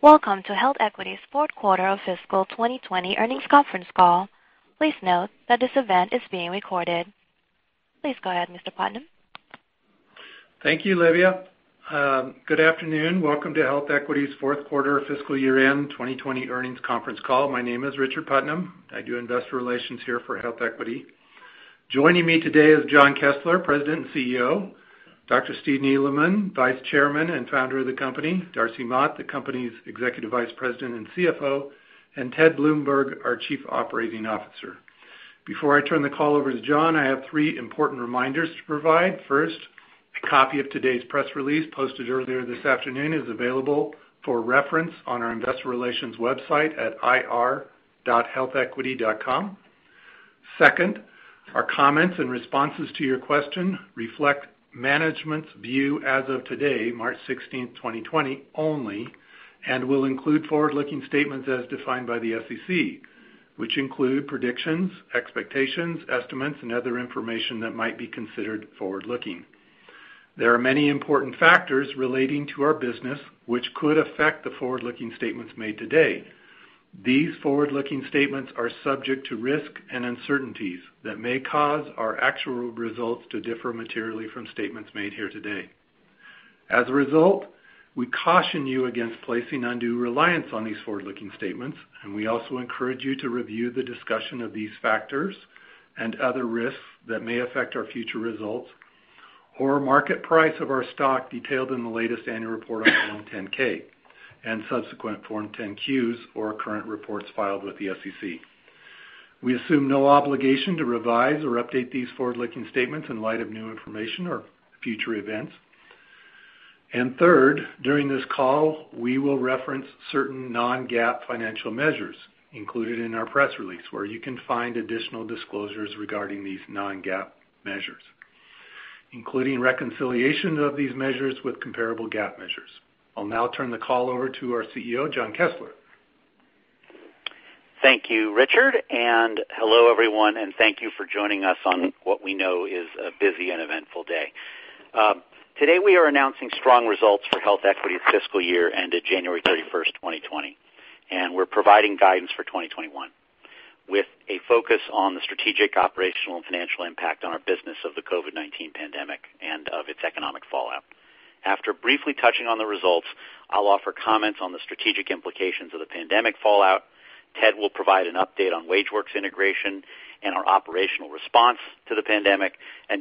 Welcome to HealthEquity's fourth quarter of fiscal 2020 earnings conference call. Please note that this event is being recorded. Please go ahead, Mr. Putnam. Thank you, Livia. Good afternoon. Welcome to HealthEquity's fourth quarter fiscal year-end 2020 earnings conference call. My name is Richard Putnam. I do investor relations here for HealthEquity. Joining me today is Jon Kessler, President and CEO, Dr. Stephen Neeleman, Vice Chairman and founder of the company, Darcy Mott, the company's Executive Vice President and CFO, and Ted Bloomberg, our Chief Operating Officer. Before I turn the call over to Jon, I have three important reminders to provide. First, a copy of today's press release posted earlier this afternoon is available for reference on our investor relations website at ir.healthequity.com. Second, our comments and responses to your question reflect management's view as of today, March 16th, 2020 only, will include forward-looking statements as defined by the SEC, which include predictions, expectations, estimates, and other information that might be considered forward-looking. There are many important factors relating to our business, which could affect the forward-looking statements made today. These forward-looking statements are subject to risks and uncertainties that may cause our actual results to differ materially from statements made here today. As a result, we caution you against placing undue reliance on these forward-looking statements. We also encourage you to review the discussion of these factors and other risks that may affect our future results or market price of our stock detailed in the latest annual report on Form 10-K and subsequent Form 10-Qs or current reports filed with the SEC. We assume no obligation to revise or update these forward-looking statements in light of new information or future events. Third, during this call, we will reference certain non-GAAP financial measures included in our press release, where you can find additional disclosures regarding these non-GAAP measures, including reconciliation of these measures with comparable GAAP measures. I'll now turn the call over to our CEO, Jon Kessler. Thank you, Richard. Hello everyone, and thank you for joining us on what we know is a busy and eventful day. Today, we are announcing strong results for HealthEquity's fiscal year ended January 31st, 2020, and we are providing guidance for 2021 with a focus on the strategic, operational, and financial impact on our business of the COVID-19 pandemic and of its economic fallout. After briefly touching on the results, I will offer comments on the strategic implications of the pandemic fallout. Ted will provide an update on WageWorks integration and our operational response to the pandemic,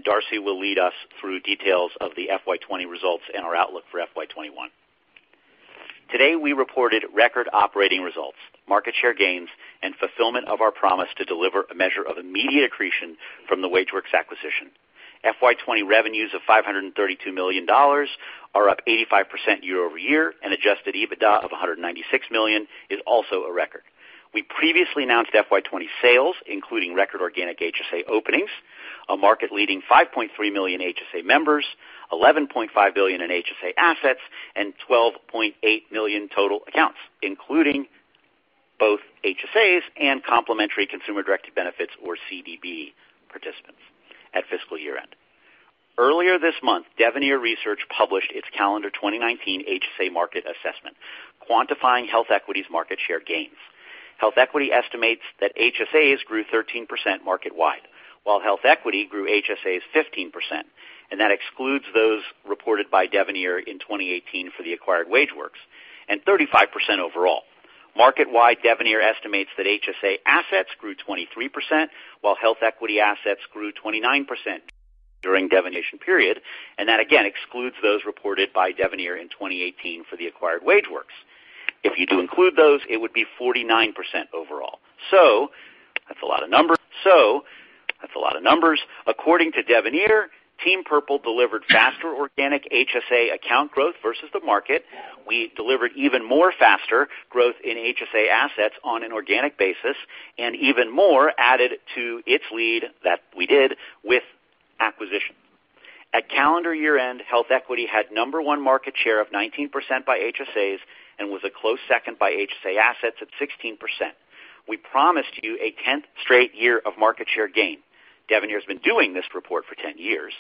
Darcy will lead us through details of the FY 2020 results and our outlook for FY 2021. Today, we reported record operating results, market share gains, and fulfillment of our promise to deliver a measure of immediate accretion from the WageWorks acquisition. FY 2020 revenues of $532 million are up 85% year-over-year, adjusted EBITDA of $196 million is also a record. We previously announced FY 2020 sales, including record organic HSA openings, a market-leading 5.3 million HSA members, $11.5 billion in HSA assets, and $12.8 million total accounts, including both HSAs and complementary consumer-directed benefits or CDB participants at fiscal year-end. Earlier this month, Devenir Research published its calendar 2019 HSA market assessment, quantifying HealthEquity's market share gains. HealthEquity estimates that HSAs grew 13% market wide, while HealthEquity grew HSAs 15%, and that excludes those reported by Devenir in 2018 for the acquired WageWorks, and 35% overall. Market wide, Devenir estimates that HSA assets grew 23%, while HealthEquity assets grew 29% during the Devenir period, and that again excludes those reported by Devenir in 2018 for the acquired WageWorks. If you do include those, it would be 49% overall. That's a lot of numbers. According to Devenir, Team Purple delivered faster organic HSA account growth versus the market. We delivered even more faster growth in HSA assets on an organic basis, and even more added to its lead that we did with acquisition. At calendar year-end, HealthEquity had number one market share of 19% by HSAs and was a close second by HSA assets at 16%. We promised you a 10th straight year of market share gain. Devenir has been doing this report for 10 years,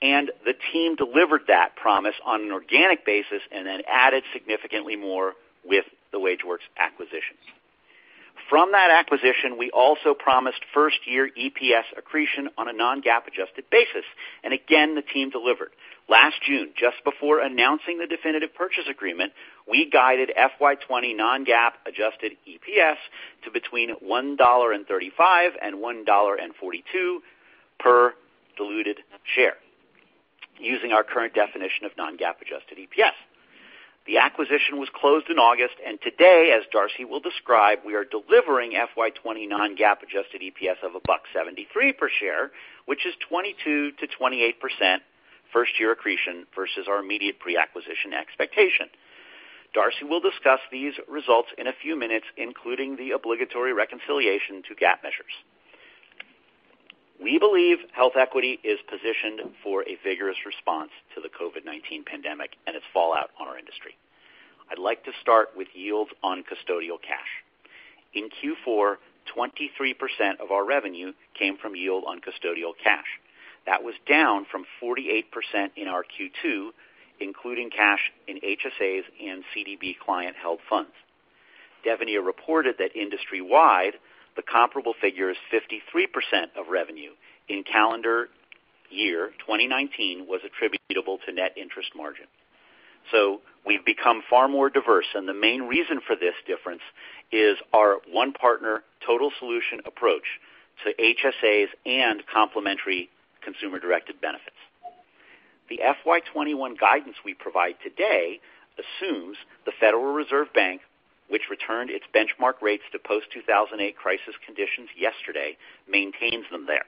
the team delivered that promise on an organic basis and then added significantly more with the WageWorks acquisition. From that acquisition, we also promised first-year EPS accretion on a non-GAAP adjusted basis, again, the team delivered. Last June, just before announcing the definitive purchase agreement, we guided FY 2020 non-GAAP adjusted EPS to between $1.35 and $1.42 per diluted share using our current definition of non-GAAP adjusted EPS. The acquisition was closed in August, today, as Darcy will describe, we are delivering FY 2020 non-GAAP adjusted EPS of $1.73 per share, which is 22%-28% first-year accretion versus our immediate pre-acquisition expectation. Darcy will discuss these results in a few minutes, including the obligatory reconciliation to GAAP measures. We believe HealthEquity is positioned for a vigorous response to the COVID-19 pandemic and its fallout on our industry. I would like to start with yields on custodial cash. In Q4, 23% of our revenue came from yield on custodial cash. That was down from 48% in our Q2, including cash in HSAs and CDB client-held funds. Devenir reported that industry-wide, the comparable figure is 53% of revenue in calendar year 2019 was attributable to net interest margin. We've become far more diverse, and the main reason for this difference is our one partner total solution approach to HSAs and complementary consumer-directed benefits. The FY 2021 guidance we provide today assumes the Federal Reserve Bank, which returned its benchmark rates to post-2008 crisis conditions yesterday, maintains them there.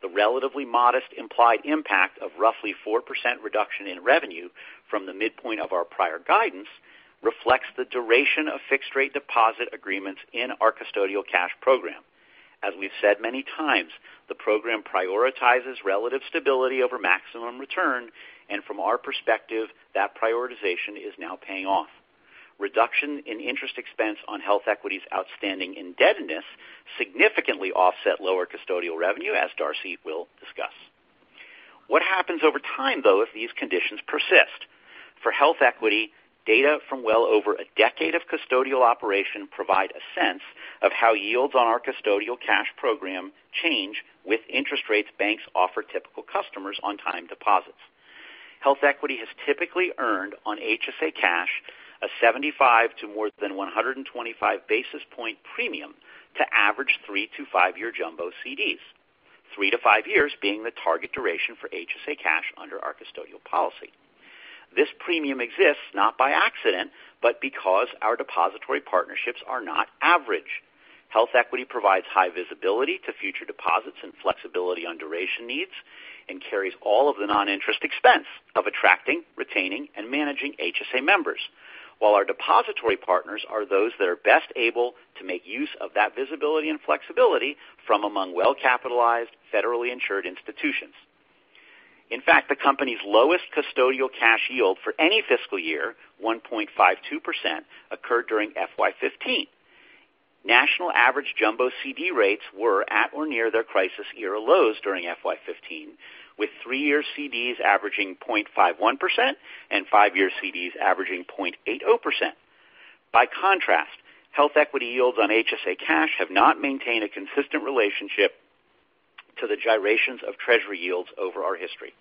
The relatively modest implied impact of roughly 4% reduction in revenue from the midpoint of our prior guidance reflects the duration of fixed rate deposit agreements in our custodial cash program. As we've said many times, the program prioritizes relative stability over maximum return, and from our perspective, that prioritization is now paying off. Reduction in interest expense on HealthEquity's outstanding indebtedness significantly offset lower custodial revenue, as Darcy will discuss. What happens over time, though, if these conditions persist? For HealthEquity, data from well over a decade of custodial operation provide a sense of how yields on our custodial cash program change with interest rates banks offer typical customers on time deposits. HealthEquity has typically earned on HSA cash a 75 to more than 125 basis point premium to average three to five-year jumbo CDs, three to five years being the target duration for HSA cash under our custodial policy. This premium exists not by accident, but because our depository partnerships are not average. HealthEquity provides high visibility to future deposits and flexibility on duration needs and carries all of the non-interest expense of attracting, retaining, and managing HSA members. While our depository partners are those that are best able to make use of that visibility and flexibility from among well-capitalized, federally insured institutions. In fact, the company's lowest custodial cash yield for any fiscal year, 1.52%, occurred during FY 2015. National average jumbo CD rates were at or near their crisis era lows during FY 2015, with three-year CDs averaging 0.51% and five-year CDs averaging 0.80%. By contrast, HealthEquity yields on HSA cash have not maintained a consistent relationship to the gyrations of Treasury yields over our history.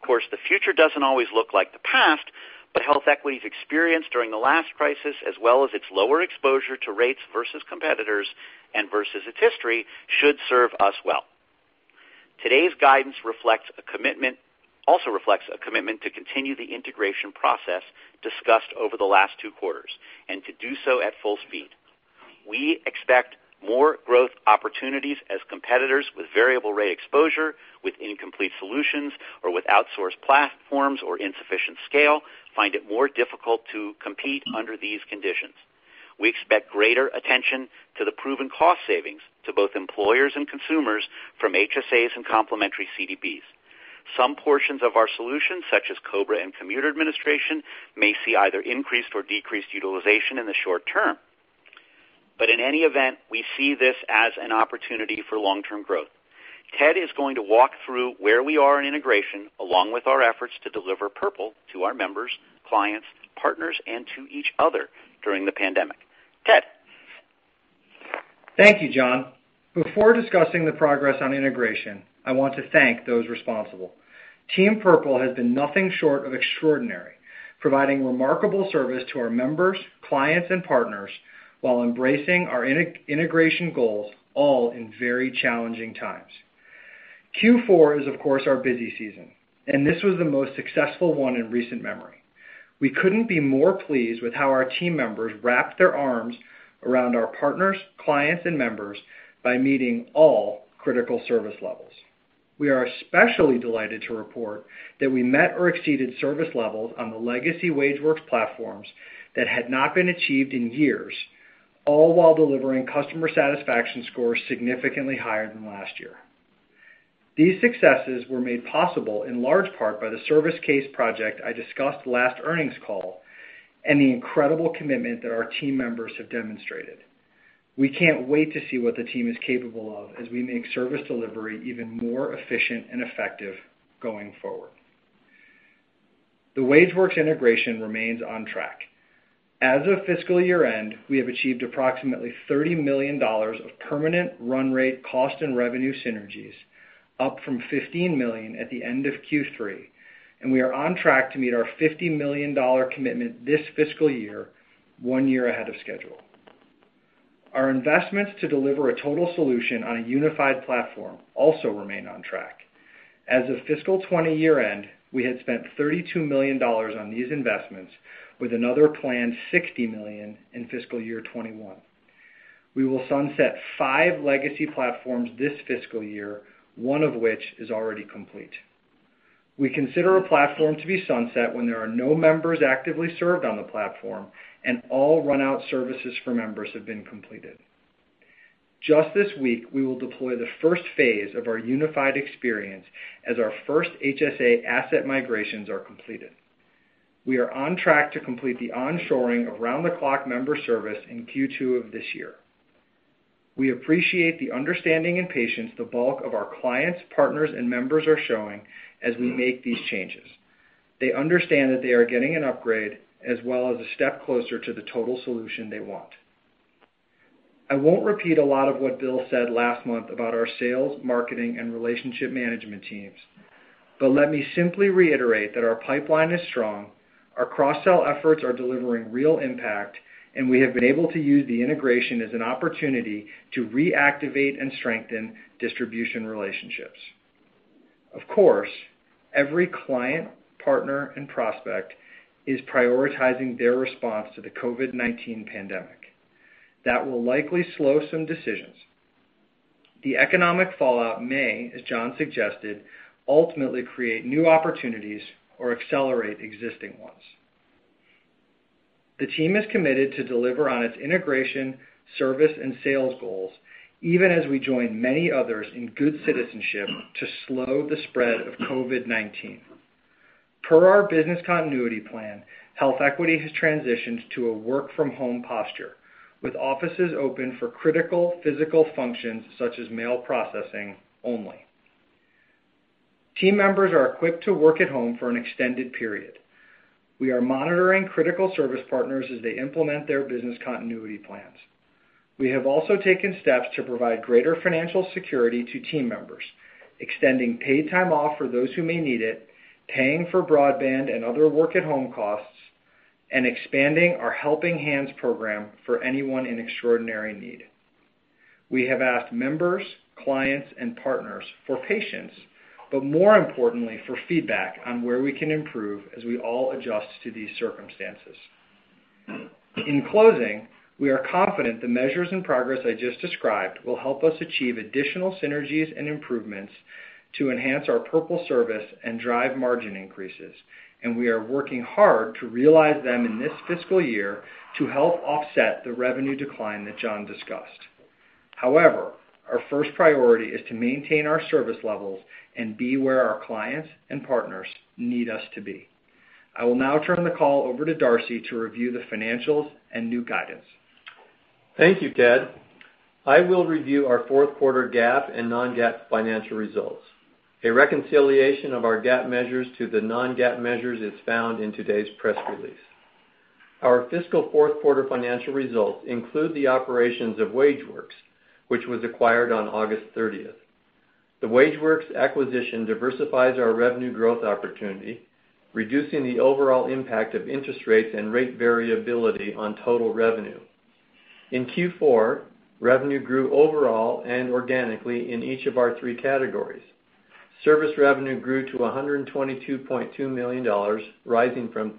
Of course, the future doesn't always look like the past, but HealthEquity's experience during the last crisis, as well as its lower exposure to rates versus competitors and versus its history, should serve us well. Today's guidance also reflects a commitment to continue the integration process discussed over the last two quarters and to do so at full speed. We expect more growth opportunities as competitors with variable rate exposure, with incomplete solutions, or with outsourced platforms or insufficient scale find it more difficult to compete under these conditions. We expect greater attention to the proven cost savings to both employers and consumers from HSAs and complementary CDBs. Some portions of our solutions, such as COBRA and commuter administration, may see either increased or decreased utilization in the short term. But in any event, we see this as an opportunity for long-term growth. Ted is going to walk through where we are in integration, along with our efforts to deliver Purple to our members, clients, partners, and to each other during the pandemic. Ted? Thank you, Jon. Before discussing the progress on integration, I want to thank those responsible. Team Purple has been nothing short of extraordinary, providing remarkable service to our members, clients, and partners while embracing our integration goals, all in very challenging times. Q4 is, of course, our busy season, and this was the most successful one in recent memory. We couldn't be more pleased with how our team members wrapped their arms around our partners, clients, and members by meeting all critical service levels. We are especially delighted to report that we met or exceeded service levels on the legacy WageWorks platforms that had not been achieved in years, all while delivering customer satisfaction scores significantly higher than last year. These successes were made possible in large part by the service case project I discussed last earnings call and the incredible commitment that our team members have demonstrated. We can't wait to see what the team is capable of as we make service delivery even more efficient and effective going forward. The WageWorks integration remains on track. As of fiscal year-end, we have achieved approximately $30 million of permanent run rate cost and revenue synergies, up from $15 million at the end of Q3, and we are on track to meet our $50 million commitment this fiscal year, one year ahead of schedule. Our investments to deliver a total solution on a unified platform also remain on track. As of fiscal 2020 year-end, we had spent $32 million on these investments, with another planned $60 million in fiscal year 2021. We will sunset five legacy platforms this fiscal year, one of which is already complete. We consider a platform to be sunset when there are no members actively served on the platform and all run-out services for members have been completed. Just this week, we will deploy the first phase of our unified experience as our first HSA asset migrations are completed. We are on track to complete the onshoring of round-the-clock member service in Q2 of this year. We appreciate the understanding and patience the bulk of our clients, partners, and members are showing as we make these changes. They understand that they are getting an upgrade as well as a step closer to the total solution they want. I won't repeat a lot of what Bill said last month about our sales, marketing, and relationship management teams. Let me simply reiterate that our pipeline is strong, our cross-sell efforts are delivering real impact, and we have been able to use the integration as an opportunity to reactivate and strengthen distribution relationships. Of course, every client, partner, and prospect is prioritizing their response to the COVID-19 pandemic. That will likely slow some decisions. The economic fallout may, as Jon suggested, ultimately create new opportunities or accelerate existing ones. The team is committed to deliver on its integration, service, and sales goals, even as we join many others in good citizenship to slow the spread of COVID-19. Per our business continuity plan, HealthEquity has transitioned to a work-from-home posture, with offices open for critical physical functions such as mail processing only. Team members are equipped to work at home for an extended period. We are monitoring critical service partners as they implement their business continuity plans. We have also taken steps to provide greater financial security to team members, extending paid time off for those who may need it, paying for broadband and other work-at-home costs, and expanding our Helping Hands program for anyone in extraordinary need. We have asked members, clients, and partners for patience, but more importantly, for feedback on where we can improve as we all adjust to these circumstances. In closing, we are confident the measures and progress I just described will help us achieve additional synergies and improvements to enhance our purple service and drive margin increases, and we are working hard to realize them in this fiscal year to help offset the revenue decline that Jon discussed. However, our first priority is to maintain our service levels and be where our clients and partners need us to be. I will now turn the call over to Darcy to review the financials and new guidance. Thank you, Ted. I will review our fourth quarter GAAP and non-GAAP financial results. A reconciliation of our GAAP measures to the non-GAAP measures is found in today's press release. Our fiscal fourth quarter financial results include the operations of WageWorks, which was acquired on August 30th. The WageWorks acquisition diversifies our revenue growth opportunity, reducing the overall impact of interest rates and rate variability on total revenue. In Q4, revenue grew overall and organically in each of our three categories. Service revenue grew to $122.2 million, rising from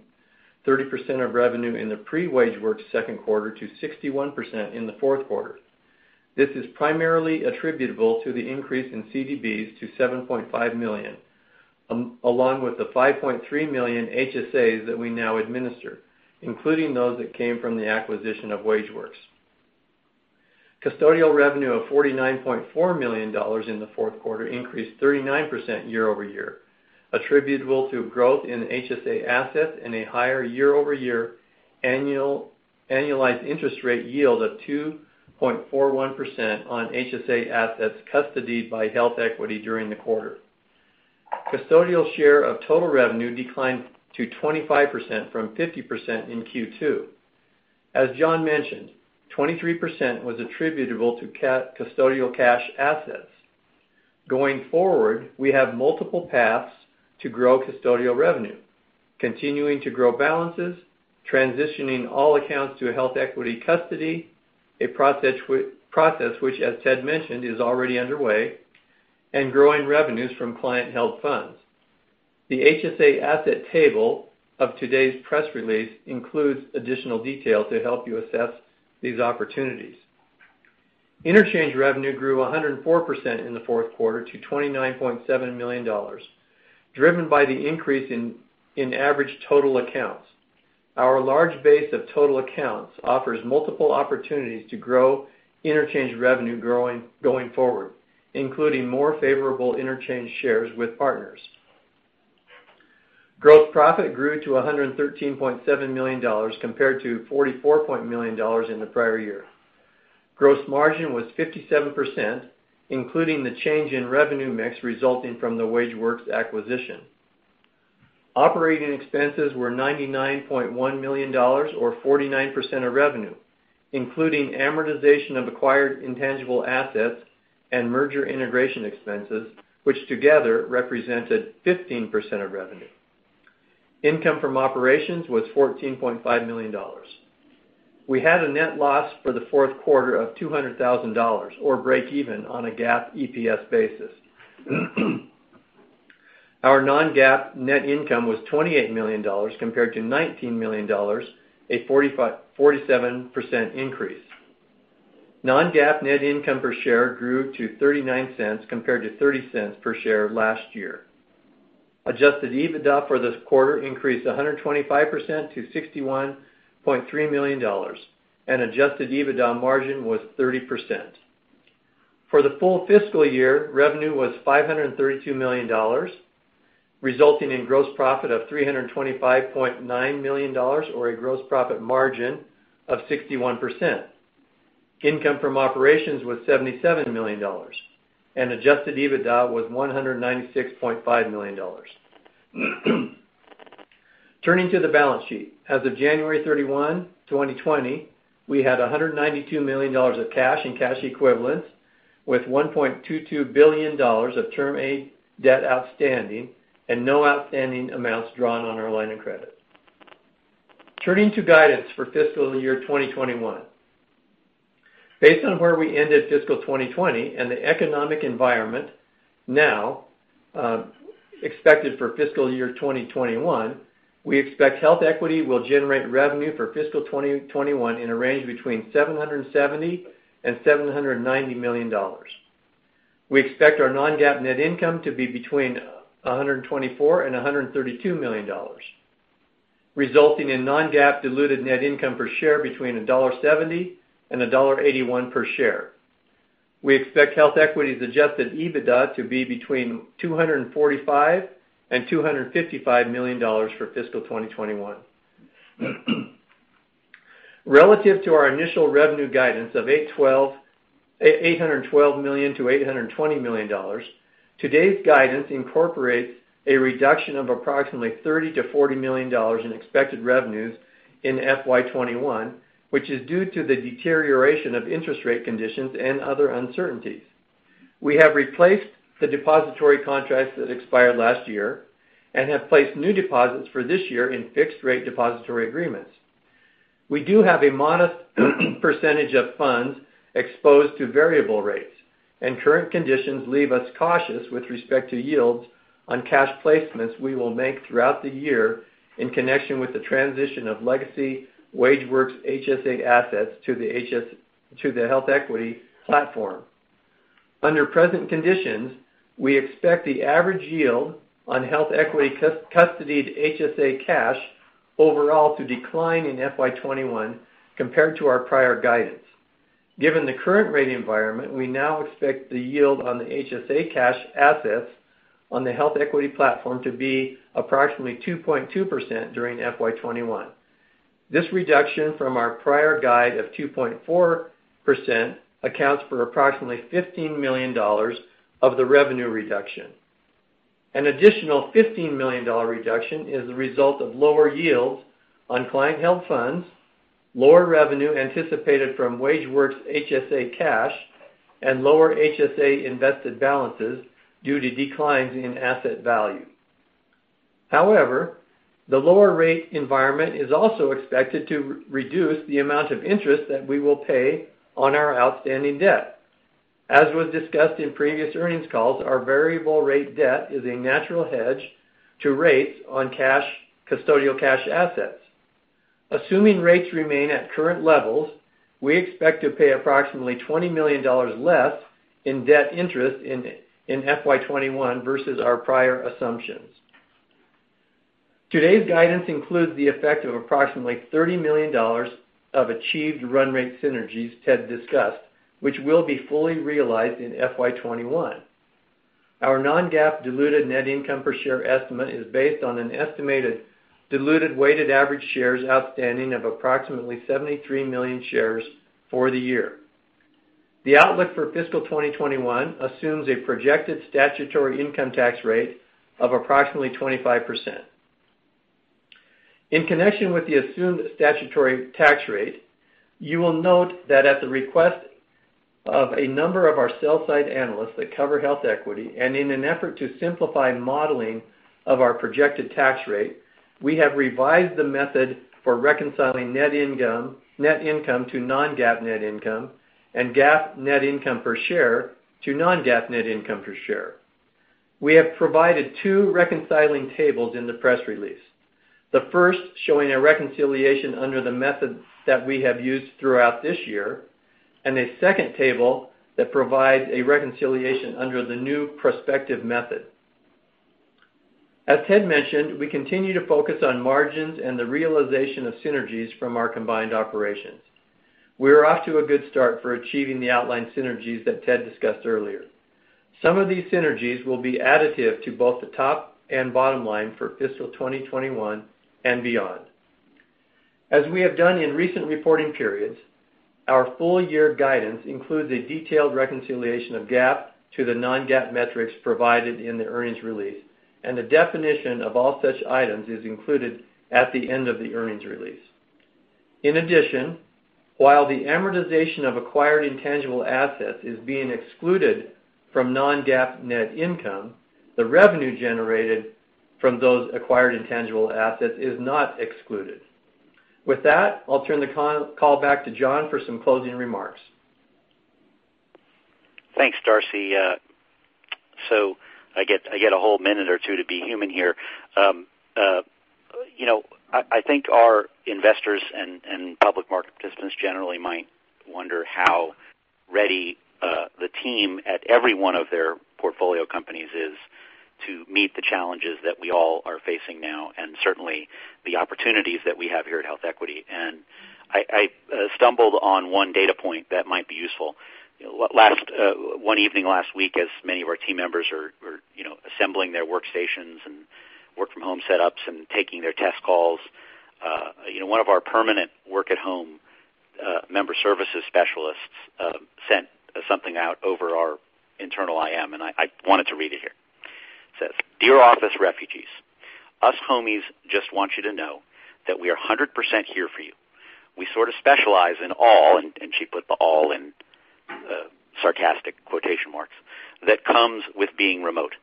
30% of revenue in the pre-WageWorks second quarter to 61% in the fourth quarter. This is primarily attributable to the increase in CDBs to $7.5 million, along with the 5.3 million HSAs that we now administer, including those that came from the acquisition of WageWorks. Custodial revenue of $49.4 million in the fourth quarter increased 39% year-over-year, attributable to growth in HSA assets and a higher year-over-year annualized interest rate yield of 2.41% on HSA assets custodied by HealthEquity during the quarter. Custodial share of total revenue declined to 25% from 50% in Q2. As Jon mentioned, 23% was attributable to custodial cash assets. Going forward, we have multiple paths to grow custodial revenue, continuing to grow balances, transitioning all accounts to a HealthEquity custody, a process which, as Ted mentioned, is already underway, and growing revenues from client health funds. The HSA asset table of today's press release includes additional detail to help you assess these opportunities. Interchange revenue grew 104% in the fourth quarter to $29.7 million, driven by the increase in average total accounts. Our large base of total accounts offers multiple opportunities to grow interchange revenue going forward, including more favorable interchange shares with partners. Gross profit grew to $113.7 million compared to $44.7 million in the prior year. Gross margin was 57%, including the change in revenue mix resulting from the WageWorks acquisition. Operating expenses were $99.1 million or 49% of revenue, including amortization of acquired intangible assets and merger integration expenses, which together represented 15% of revenue. Income from operations was $14.5 million. We had a net loss for the fourth quarter of $200,000 or break even on a GAAP EPS basis. Our non-GAAP net income was $28 million compared to $19 million, a 47% increase. Non-GAAP net income per share grew to $0.39 compared to $0.30 per share last year. Adjusted EBITDA for this quarter increased 125% to $61.3 million, and Adjusted EBITDA margin was 30%. For the full fiscal year, revenue was $532 million, resulting in gross profit of $325.9 million, or a gross profit margin of 61%. Income from operations was $77 million, and Adjusted EBITDA was $196.5 million. Turning to the balance sheet. As of January 31, 2020, we had $192 million of cash and cash equivalents with $1.22 billion of term debt outstanding and no outstanding amounts drawn on our line of credit. Turning to guidance for fiscal year 2021. Based on where we ended fiscal 2020 and the economic environment now expected for fiscal year 2021, we expect HealthEquity will generate revenue for fiscal 2021 in a range between $770 million and $790 million. We expect our non-GAAP net income to be between $124 million and $132 million, resulting in non-GAAP diluted net income per share between $1.70 and $1.81 per share. We expect HealthEquity's Adjusted EBITDA to be between $245 million and $255 million for fiscal 2021. Relative to our initial revenue guidance of $812 million-$820 million, today's guidance incorporates a reduction of approximately $30 million-$40 million in expected revenues in FY 2021, which is due to the deterioration of interest rate conditions and other uncertainties. We have replaced the depository contracts that expired last year and have placed new deposits for this year in fixed rate depository agreements. We do have a modest percentage of funds exposed to variable rates, and current conditions leave us cautious with respect to yields on cash placements we will make throughout the year in connection with the transition of legacy WageWorks HSA assets to the HealthEquity platform. Under present conditions, we expect the average yield on HealthEquity custodied HSA cash overall to decline in FY 2021 compared to our prior guidance. Given the current rate environment, we now expect the yield on the HSA cash assets on the HealthEquity platform to be approximately 2.2% during FY 2021. This reduction from our prior guide of 2.4% accounts for approximately $15 million of the revenue reduction. An additional $15 million reduction is the result of lower yields on client health funds, lower revenue anticipated from WageWorks HSA cash, and lower HSA invested balances due to declines in asset value. However, the lower rate environment is also expected to reduce the amount of interest that we will pay on our outstanding debt. As was discussed in previous earnings calls, our variable rate debt is a natural hedge to rates on custodial cash assets. Assuming rates remain at current levels, we expect to pay approximately $20 million less in debt interest in FY 2021 versus our prior assumptions. Today's guidance includes the effect of approximately $30 million of achieved run rate synergies Ted discussed, which will be fully realized in FY 2021. Our non-GAAP diluted net income per share estimate is based on an estimated diluted weighted average shares outstanding of approximately 73 million shares for the year. The outlook for fiscal 2021 assumes a projected statutory income tax rate of approximately 25%. In connection with the assumed statutory tax rate, you will note that at the request of a number of our sell side analysts that cover HealthEquity, and in an effort to simplify modeling of our projected tax rate, we have revised the method for reconciling net income to non-GAAP net income, and GAAP net income per share to non-GAAP net income per share. We have provided two reconciling tables in the press release. The first showing a reconciliation under the method that we have used throughout this year, a second table that provides a reconciliation under the new prospective method. As Ted mentioned, we continue to focus on margins and the realization of synergies from our combined operations. We are off to a good start for achieving the outlined synergies that Ted discussed earlier. Some of these synergies will be additive to both the top and bottom line for fiscal 2021 and beyond. As we have done in recent reporting periods, our full year guidance includes a detailed reconciliation of GAAP to the non-GAAP metrics provided in the earnings release, and the definition of all such items is included at the end of the earnings release. In addition, while the amortization of acquired intangible assets is being excluded from non-GAAP net income, the revenue generated from those acquired intangible assets is not excluded. With that, I'll turn the call back to Jon for some closing remarks. Thanks, Darcy. I get a whole minute or two to be human here. I think our investors and public market participants generally might wonder how ready the team at every one of their portfolio companies is to meet the challenges that we all are facing now, and certainly the opportunities that we have here at HealthEquity. I stumbled on one data point that might be useful. One evening last week, as many of our team members are assembling their workstations and work from home setups and taking their test calls, one of our permanent work at home member services specialists sent something out over our internal IM, and I wanted to read it here. It says, "Dear office refugees, us homies just want you to know that we are 100% here for you. We sort of specialize in all," and she put the all in sarcastic quotation marks, "that comes with being remote.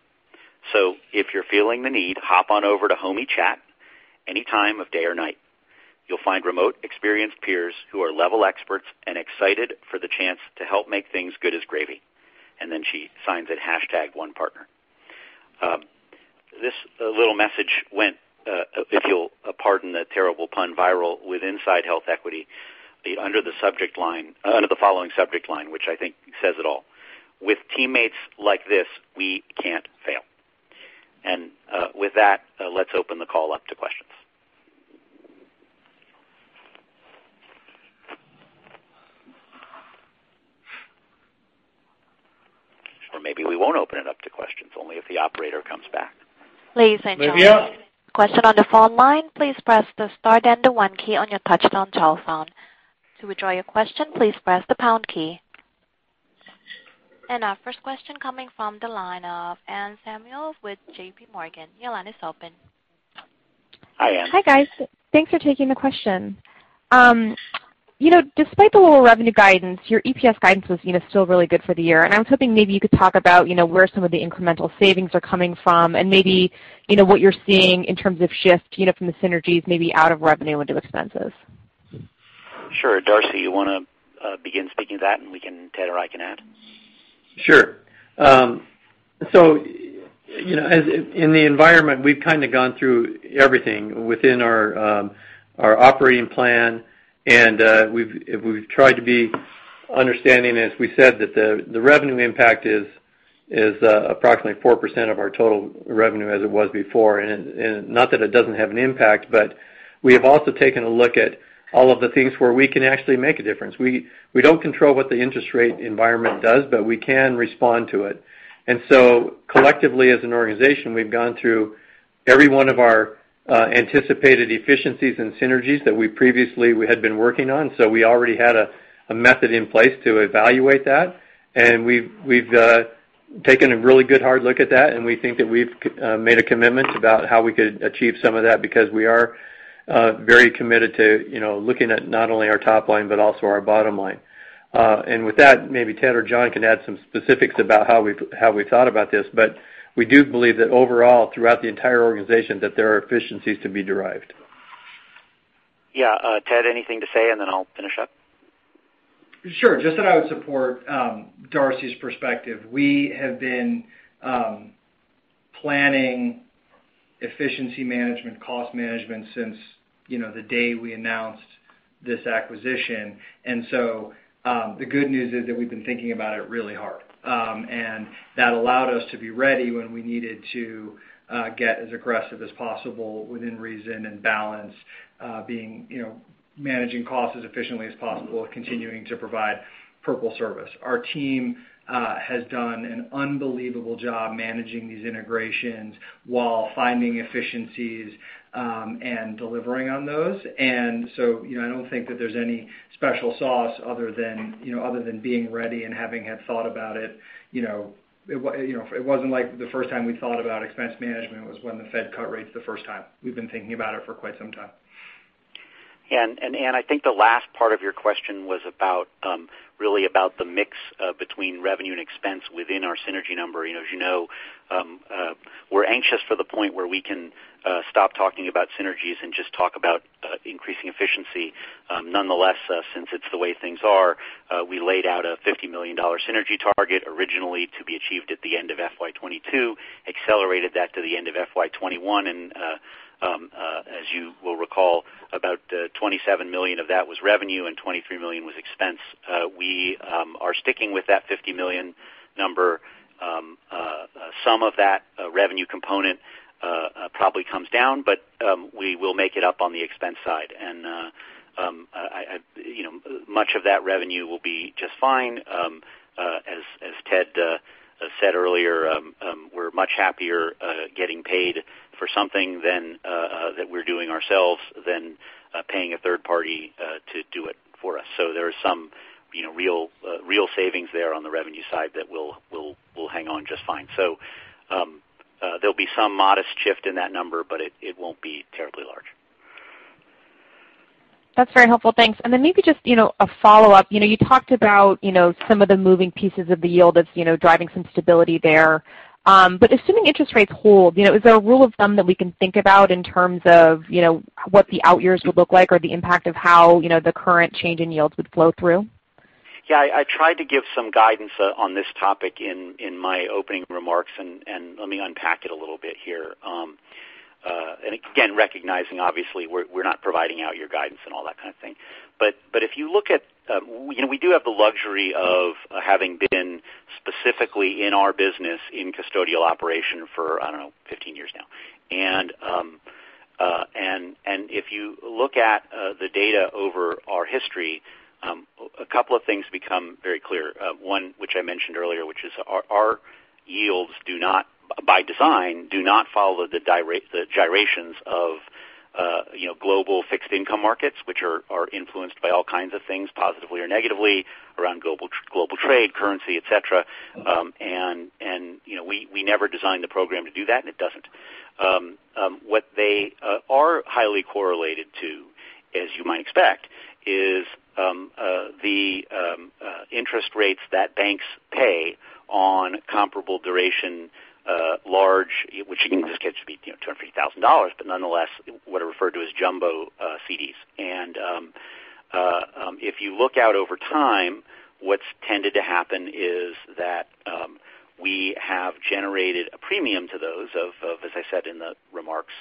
If you're feeling the need, hop on over to Homie Chat any time of day or night. You'll find remote experienced peers who are level experts and excited for the chance to help make things good as gravy." Then she signs it, hashtag one partner. This little message went, if you'll pardon the terrible pun, viral with inside HealthEquity under the following subject line, which I think says it all: "With teammates like this, we can't fail." With that, let's open the call up to questions. Or maybe we won't open it up to questions, only if the operator comes back. Ladies and gentlemen. Livia. Question on the phone line, please press the star then the one key on your touch-tone telephone. To withdraw your question, please press the pound key. Our first question coming from the line of Anne Samuel with JPMorgan. Your line is open. Hi, Anne. Hi, guys. Thanks for taking the question. Despite the lower revenue guidance, your EPS guidance was still really good for the year, and I was hoping maybe you could talk about where some of the incremental savings are coming from and maybe what you're seeing in terms of shift from the synergies, maybe out of revenue into expenses. Sure. Darcy, you want to begin speaking to that, and Ted or I can add? Sure. In the environment, we've kind of gone through everything within our operating plan, and we've tried to be understanding, as we said, that the revenue impact is approximately 4% of our total revenue as it was before. Not that it doesn't have an impact, but we have also taken a look at all of the things where we can actually make a difference. We don't control what the interest rate environment does, but we can respond to it. Collectively as an organization, we've gone through every one of our anticipated efficiencies and synergies that we previously had been working on. We already had a method in place to evaluate that, and we've taken a really good hard look at that, and we think that we've made a commitment about how we could achieve some of that because we are very committed to looking at not only our top line, but also our bottom line. With that, maybe Ted or Jon can add some specifics about how we've thought about this, but we do believe that overall, throughout the entire organization, that there are efficiencies to be derived. Yeah. Ted, anything to say, and then I'll finish up. Sure. Just that I would support Darcy's perspective. We have been planning efficiency management, cost management since the day we announced this acquisition. The good news is that we've been thinking about it really hard. That allowed us to be ready when we needed to get as aggressive as possible within reason and balance, managing costs as efficiently as possible, continuing to provide Purple service. Our team has done an unbelievable job managing these integrations while finding efficiencies, and delivering on those. I don't think that there's any special sauce other than being ready and having had thought about it. It wasn't like the first time we thought about expense management was when the Fed cut rates the first time. We've been thinking about it for quite some time. Anne, I think the last part of your question was really about the mix between revenue and expense within our synergy number. As you know, we're anxious for the point where we can stop talking about synergies and just talk about increasing efficiency. Nonetheless, since it's the way things are, we laid out a $50 million synergy target originally to be achieved at the end of FY 2022, accelerated that to the end of FY 2021. As you will recall, about $27 million of that was revenue and $23 million was expense. We are sticking with that $50 million number. Some of that revenue component probably comes down, but we will make it up on the expense side. Much of that revenue will be just fine. As Ted said earlier, we're much happier getting paid for something that we're doing ourselves than paying a third party to do it for us. There are some real savings there on the revenue side that will hang on just fine. There'll be some modest shift in that number, but it won't be terribly large. That's very helpful. Thanks. Maybe just a follow-up. You talked about some of the moving pieces of the yield that's driving some stability there. Assuming interest rates hold, is there a rule of thumb that we can think about in terms of what the out years would look like or the impact of how the current change in yields would flow through? I tried to give some guidance on this topic in my opening remarks. Let me unpack it a little bit here. Recognizing obviously we're not providing out year guidance and all that kind of thing. We do have the luxury of having been specifically in our business in custodial operation for, I don't know, 15 years now. If you look at the data over our history, a couple of things become very clear. One, which I mentioned earlier, which is our yields, by design, do not follow the gyrations of global fixed income markets, which are influenced by all kinds of things, positively or negatively around global trade, currency, et cetera. We never designed the program to do that, and it doesn't. What they are highly correlated to, as you might expect, is the interest rates that banks pay on comparable duration large, which in this case would be $250,000, but nonetheless, what are referred to as jumbo CDs. If you look out over time, what's tended to happen is that we have generated a premium to those of, as I said in the remarks,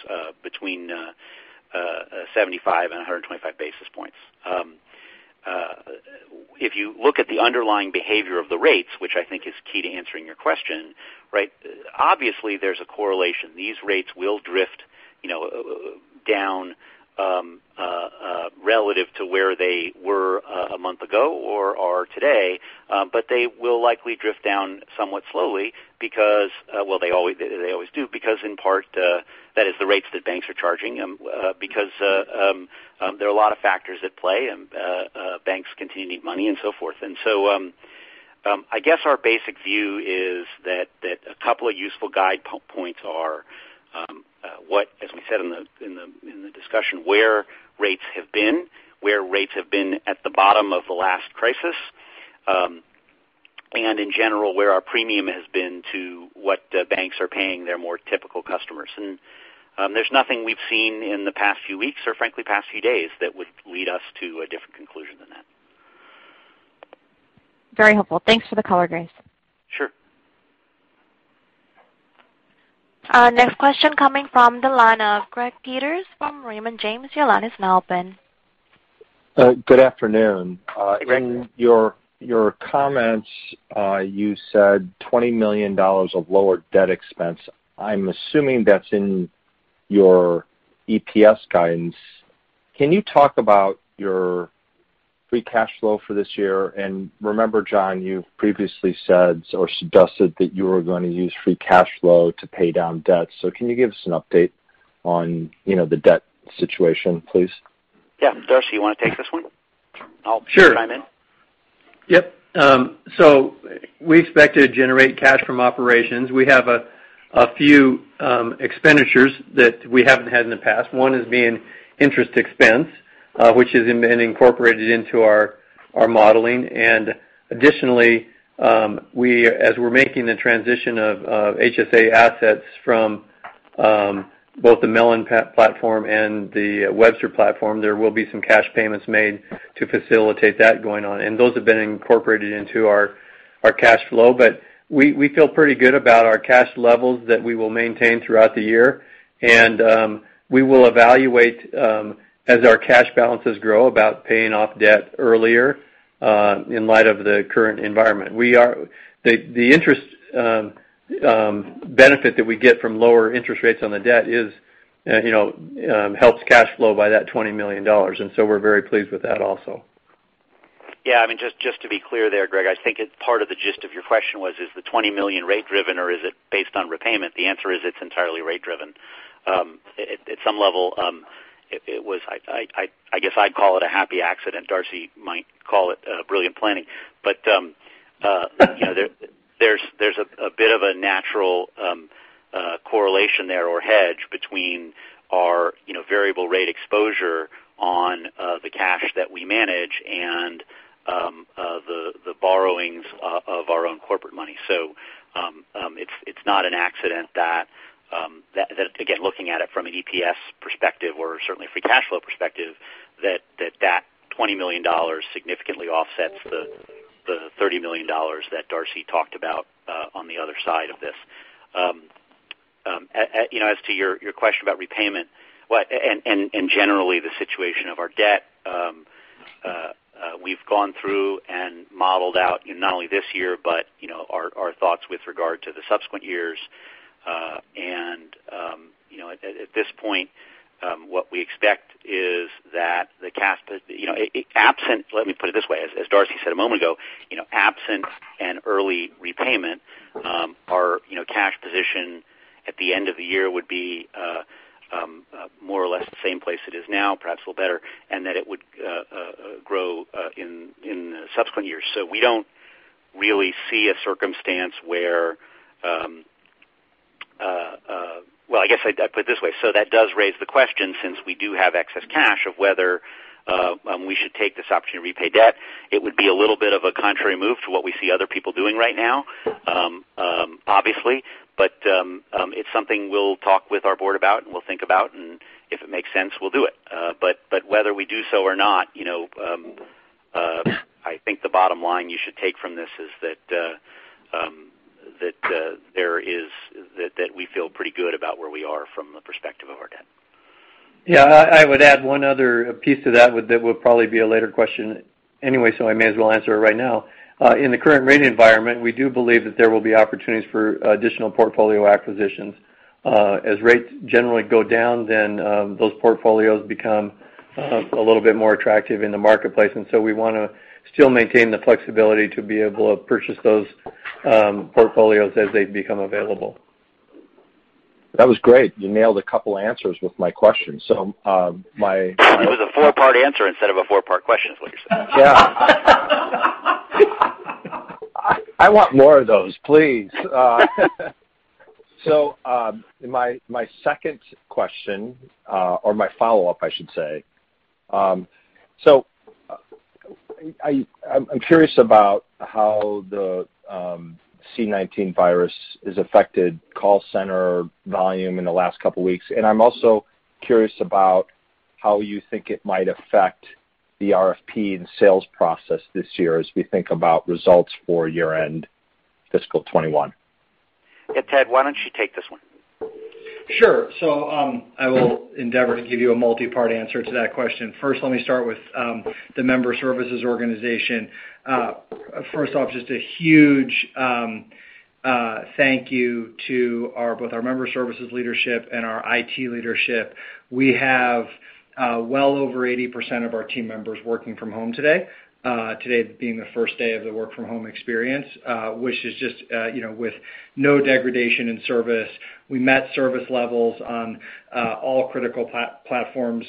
between 75 and 125 basis points. If you look at the underlying behavior of the rates, which I think is key to answering your question. Obviously there's a correlation. These rates will drift down relative to where they were a month ago or are today. They will likely drift down somewhat slowly because Well, they always do, because in part, that is the rates that banks are charging, because there are a lot of factors at play, and banks continue to need money and so forth. I guess our basic view is that a couple of useful guide points are what, as we said in the discussion, where rates have been, where rates have been at the bottom of the last crisis. In general, where our premium has been to what the banks are paying their more typical customers. There's nothing we've seen in the past few weeks or frankly, past few days that would lead us to a different conclusion than that. Very helpful. Thanks for the color, Grace. Sure. Next question coming from the line of Greg Peters from Raymond James. Your line is now open. Good afternoon. Hey, Greg. In your comments, you said $20 million of lower debt expense. I'm assuming that's in your EPS guidance. Can you talk about your free cash flow for this year? Remember, Jon, you've previously said or suggested that you were going to use free cash flow to pay down debt. Can you give us an update on the debt situation, please? Yeah. Darcy, you want to take this one? Sure. I'll chime in. Yep. We expect to generate cash from operations. We have a few expenditures that we haven't had in the past. One is being interest expense, which has been incorporated into our modeling. Additionally, as we're making the transition of HSA assets from both the Mellon platform and the Webster platform, there will be some cash payments made to facilitate that going on. Those have been incorporated into our cash flow. We feel pretty good about our cash levels that we will maintain throughout the year. We will evaluate as our cash balances grow about paying off debt earlier in light of the current environment. The interest benefit that we get from lower interest rates on the debt helps cash flow by that $20 million. We're very pleased with that also. Yeah. Just to be clear there, Greg, I think part of the gist of your question was, is the $20 million rate driven or is it based on repayment? The answer is it's entirely rate driven. At some level, I guess I'd call it a happy accident. Darcy might call it brilliant planning. There's a bit of a natural correlation there or hedge between our variable rate exposure on the cash that we manage and the borrowings of our own corporate money. It's not an accident that, again, looking at it from an EPS perspective or certainly a free cash flow perspective, that $20 million significantly offsets the $30 million that Darcy talked about on the other side of this. As to your question about repayment and generally the situation of our debt. We've gone through and modeled out not only this year, but our thoughts with regard to the subsequent years. At this point, what we expect is that the cash. Let me put it this way. As Darcy said a moment ago, absent an early repayment our cash position at the end of the year would be more or less the same place it is now, perhaps a little better, and that it would grow in subsequent years. We don't really see a circumstance where. Well, I guess I'd put it this way. That does raise the question, since we do have excess cash, of whether we should take this opportunity to repay debt. It would be a little bit of a contrary move to what we see other people doing right now. Obviously, it's something we'll talk with our board about, and we'll think about. If it makes sense, we'll do it. Whether we do so or not, I think the bottom line you should take from this is that we feel pretty good about where we are from the perspective of our debt. Yeah. I would add one other piece to that would probably be a later question anyway, I may as well answer it right now. In the current rate environment, we do believe that there will be opportunities for additional portfolio acquisitions. As rates generally go down, then those portfolios become a little bit more attractive in the marketplace. We want to still maintain the flexibility to be able to purchase those portfolios as they become available. That was great. You nailed a couple answers with my question. It was a four-part answer instead of a four-part question is what you're saying. Yeah. I want more of those, please. My second question, or my follow-up I should say. I'm curious about how the C-19 virus has affected call center volume in the last couple of weeks, and I'm also curious about how you think it might affect the RFP and sales process this year as we think about results for year-end fiscal 2021. Yeah, Ted, why don't you take this one? Sure. I will endeavor to give you a multi-part answer to that question. First, let me start with the member services organization. First off, just a huge thank you to both our member services leadership and our IT leadership. We have well over 80% of our team members working from home today being the first day of the work from home experience, which is just with no degradation in service. We met service levels on all critical platforms,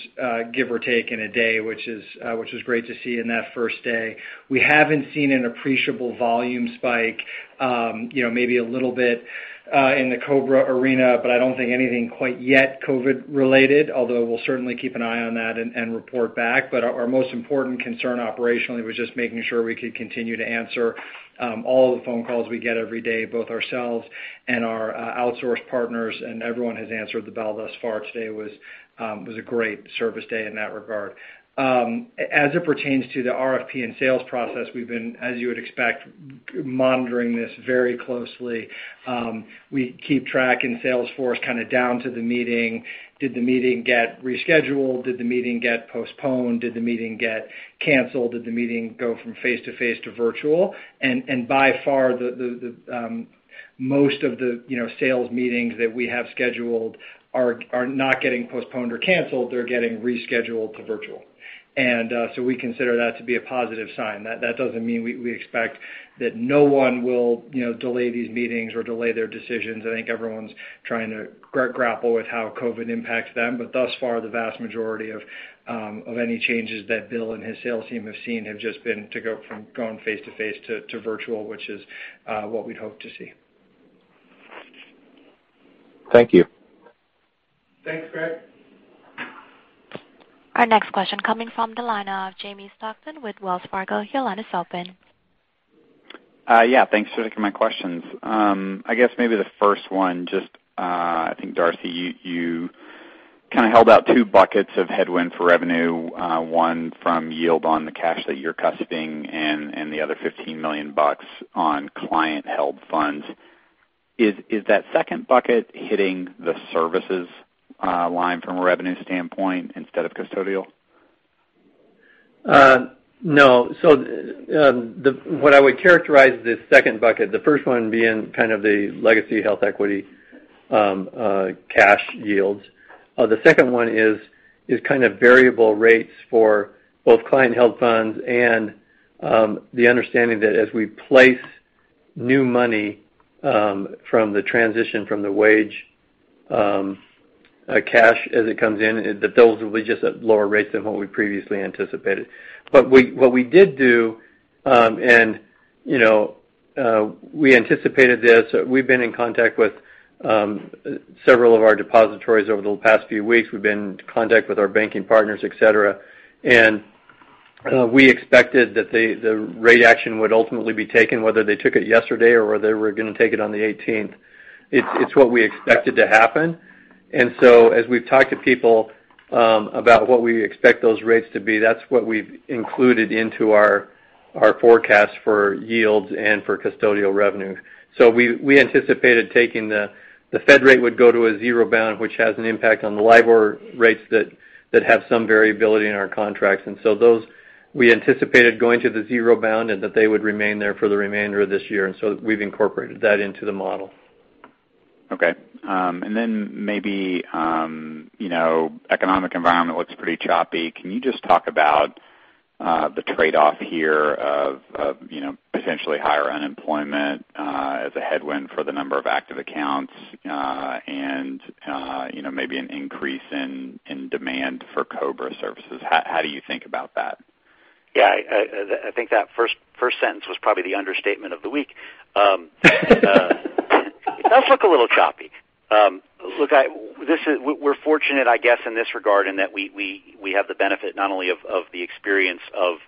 give or take in a day, which was great to see in that first day. We haven't seen an appreciable volume spike. Maybe a little bit in the COBRA arena, but I don't think anything quite yet COVID-related, although we'll certainly keep an eye on that and report back. Our most important concern operationally was just making sure we could continue to answer all of the phone calls we get every day, both ourselves and our outsource partners, and everyone has answered the bell thus far. Today was a great service day in that regard. As it pertains to the RFP and sales process, we've been, as you would expect, monitoring this very closely. We keep track in Salesforce kind of down to the meeting. Did the meeting get rescheduled? Did the meeting get postponed? Did the meeting get canceled? Did the meeting go from face-to-face to virtual? By far, most of the sales meetings that we have scheduled are not getting postponed or canceled. They're getting rescheduled to virtual. We consider that to be a positive sign. That doesn't mean we expect that no one will delay these meetings or delay their decisions. I think everyone's trying to grapple with how COVID impacts them. Thus far, the vast majority of any changes that Bill and his sales team have seen have just been from going face-to-face to virtual, which is what we'd hope to see. Thank you. Thanks, Greg. Our next question coming from the line of Jamie Stockton with Wells Fargo. Your line is open. Yeah. Thanks for taking my questions. I guess maybe the first one, just I think, Darcy, you kind of held out two buckets of headwind for revenue, one from yield on the cash that you're custoding and the other $15 million on client-held funds. Is that second bucket hitting the services line from a revenue standpoint instead of custodial? No. What I would characterize the second bucket, the first one being kind of the legacy HealthEquity cash yields. The second one is kind of variable rates for both client-held funds and the understanding that as we place new money from the transition from the WageWorks cash as it comes in, that those will be just at lower rates than what we previously anticipated. What we did do, and we anticipated this. We've been in contact with several of our depositories over the past few weeks. We've been in contact with our banking partners, et cetera, and we expected that the rate action would ultimately be taken, whether they took it yesterday or whether they were going to take it on the 18th. It's what we expected to happen. As we've talked to people about what we expect those rates to be, that's what we've included into our forecast for yields and for custodial revenue. We anticipated taking the Fed rate would go to a zero bound, which has an impact on the LIBOR rates that have some variability in our contracts. Those we anticipated going to the zero bound and that they would remain there for the remainder of this year. We've incorporated that into the model. Okay. Maybe, economic environment looks pretty choppy. Can you just talk about the trade-off here of potentially higher unemployment as a headwind for the number of active accounts and maybe an increase in demand for COBRA services? How do you think about that? Yeah. I think that first sentence was probably the understatement of the week. It does look a little choppy. Look, we're fortunate, I guess, in this regard in that we have the benefit not only of the experience of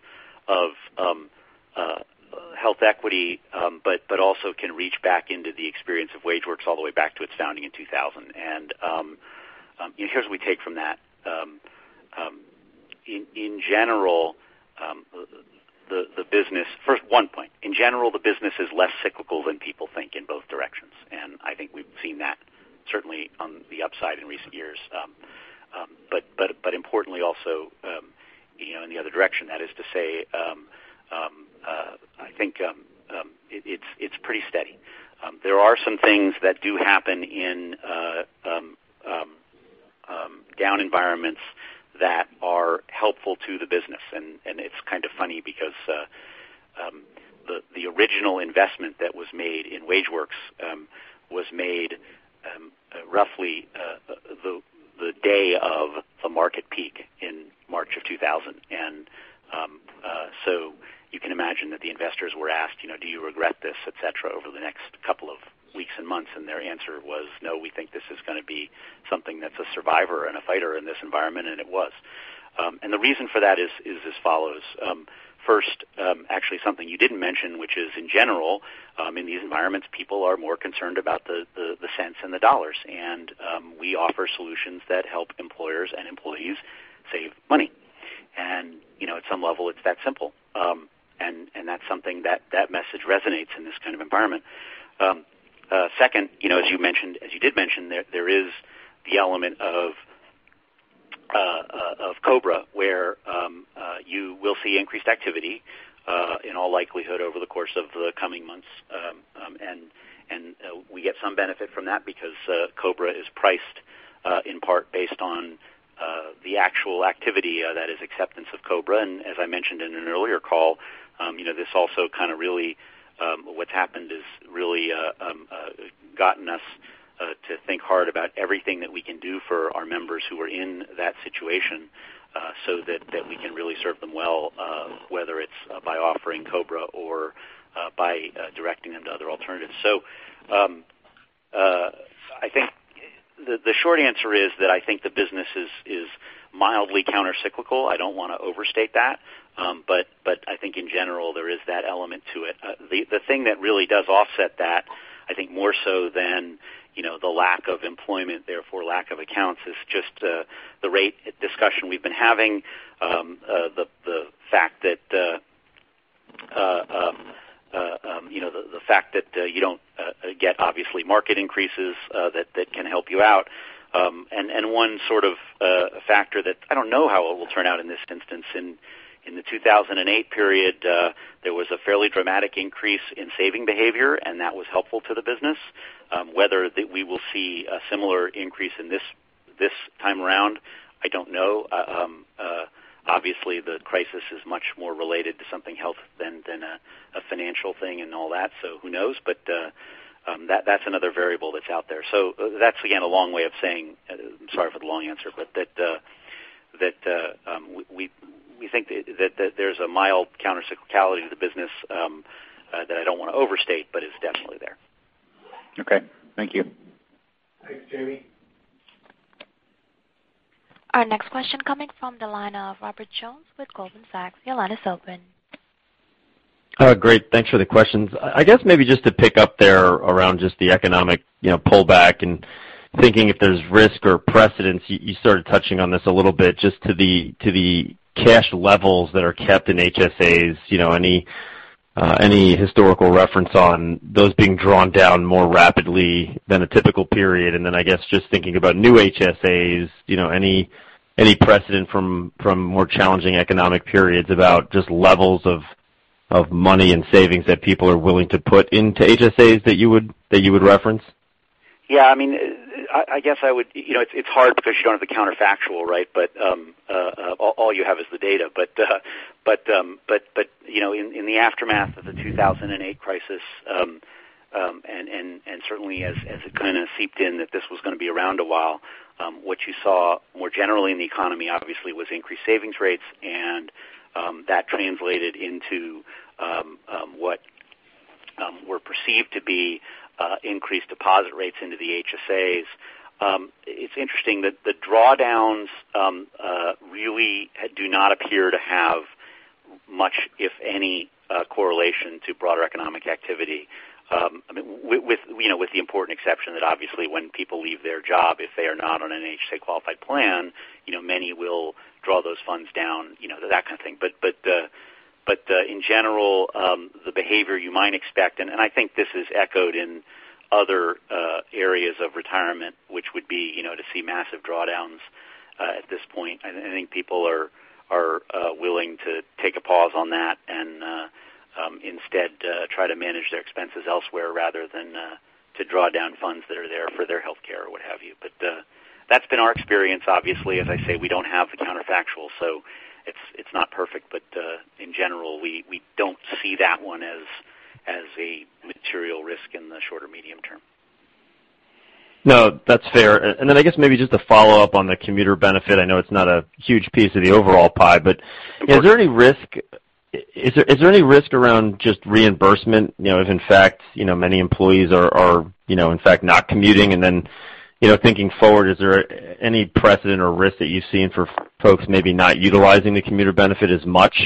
HealthEquity, but also can reach back into the experience of WageWorks all the way back to its founding in 2000. Here's what we take from that. First, one point. In general, the business is less cyclical than people think in both directions, and I think we've seen that certainly on the upside in recent years. Importantly also, in the other direction, that is to say, I think it's pretty steady. There are some things that do happen in down environments that are helpful to the business. It's kind of funny because the original investment that was made in WageWorks was made roughly the day of the market peak in March of 2000. You can imagine that the investors were asked, "Do you regret this?" et cetera, over the next couple of weeks and months. Their answer was, "No, we think this is going to be something that's a survivor and a fighter in this environment," and it was. The reason for that is as follows. First, actually something you didn't mention, which is in general, in these environments, people are more concerned about the cents and the dollars. We offer solutions that help employers and employees save money. At some level, it's that simple. That's something that message resonates in this kind of environment. Second, as you did mention, there is the element of COBRA, where you will see increased activity, in all likelihood, over the course of the coming months. We get some benefit from that because COBRA is priced in part based on the actual activity that is acceptance of COBRA. As I mentioned in an earlier call, what's happened is really gotten us to think hard about everything that we can do for our members who are in that situation so that we can really serve them well, whether it's by offering COBRA or by directing them to other alternatives. I think the short answer is that I think the business is mildly countercyclical. I don't want to overstate that. I think in general, there is that element to it. The thing that really does offset that, I think more so than the lack of employment, therefore lack of accounts, is just the rate discussion we've been having. The fact that you don't get, obviously, market increases that can help you out. One sort of factor that I don't know how it will turn out in this instance, in the 2008 period, there was a fairly dramatic increase in saving behavior, and that was helpful to the business. Whether we will see a similar increase in this time around, I don't know. Obviously, the crisis is much more related to something health than a financial thing and all that, so who knows? That's another variable that's out there. That's, again, a long way of saying, I'm sorry for the long answer, but that we think that there's a mild countercyclicality to the business that I don't want to overstate, but is definitely there. Okay. Thank you. Thanks, Jamie. Our next question coming from the line of Robert Jones with Goldman Sachs. Your line is open. Great. Thanks for the questions. I guess maybe just to pick up there around just the economic pullback and thinking if there's risk or precedents. You started touching on this a little bit, just to the cash levels that are kept in HSAs. Any historical reference on those being drawn down more rapidly than a typical period? I guess, just thinking about new HSAs, any precedent from more challenging economic periods about just levels of money and savings that people are willing to put into HSAs that you would reference? Yeah. It's hard because you don't have the counterfactual, right? All you have is the data. In the aftermath of the 2008 crisis, and certainly as it kind of seeped in that this was going to be around a while, what you saw more generally in the economy, obviously, was increased savings rates, and that translated into what were perceived to be increased deposit rates into the HSAs. It's interesting that the drawdowns really do not appear to have much, if any, correlation to broader economic activity. With the important exception that obviously when people leave their job, if they are not on an HSA-qualified plan, many will draw those funds down, that kind of thing. In general, the behavior you might expect, and I think this is echoed in other areas of retirement, which would be to see massive drawdowns at this point. I think people are willing to take a pause on that and instead try to manage their expenses elsewhere rather than to draw down funds that are there for their healthcare or what have you. That's been our experience. Obviously, as I say, we don't have the counterfactual, so it's not perfect. In general, we don't see that one as a material risk in the shorter medium term. No, that's fair. I guess maybe just to follow up on the commuter benefit. I know it's not a huge piece of the overall pie, but- Of course Is there any risk around just reimbursement if many employees are in fact not commuting? Thinking forward, is there any precedent or risk that you've seen for folks maybe not utilizing the commuter benefit as much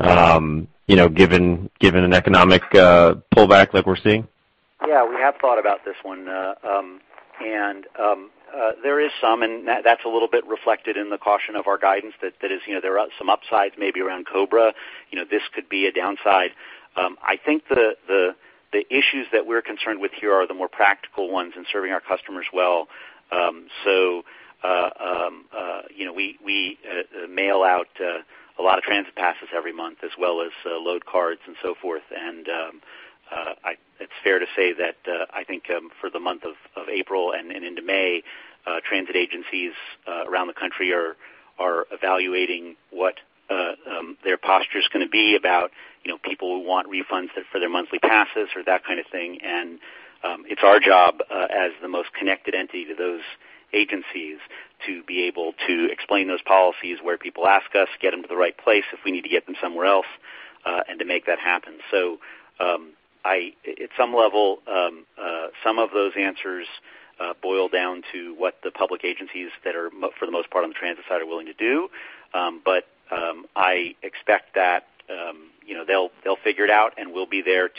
given an economic pullback like we're seeing? Yeah, we have thought about this one. That's a little bit reflected in the caution of our guidance. There are some upsides maybe around COBRA. This could be a downside. I think the issues that we're concerned with here are the more practical ones in serving our customers well. We mail out a lot of transit passes every month as well as load cards and so forth. It's fair to say that I think for the month of April and into May, transit agencies around the country are evaluating what their posture is going to be about people who want refunds for their monthly passes or that kind of thing. It's our job as the most connected entity to those agencies to be able to explain those policies where people ask us, get them to the right place if we need to get them somewhere else, and to make that happen. At some level, some of those answers boil down to what the public agencies that are, for the most part, on the transit side are willing to do. I expect that they'll figure it out, and we'll be there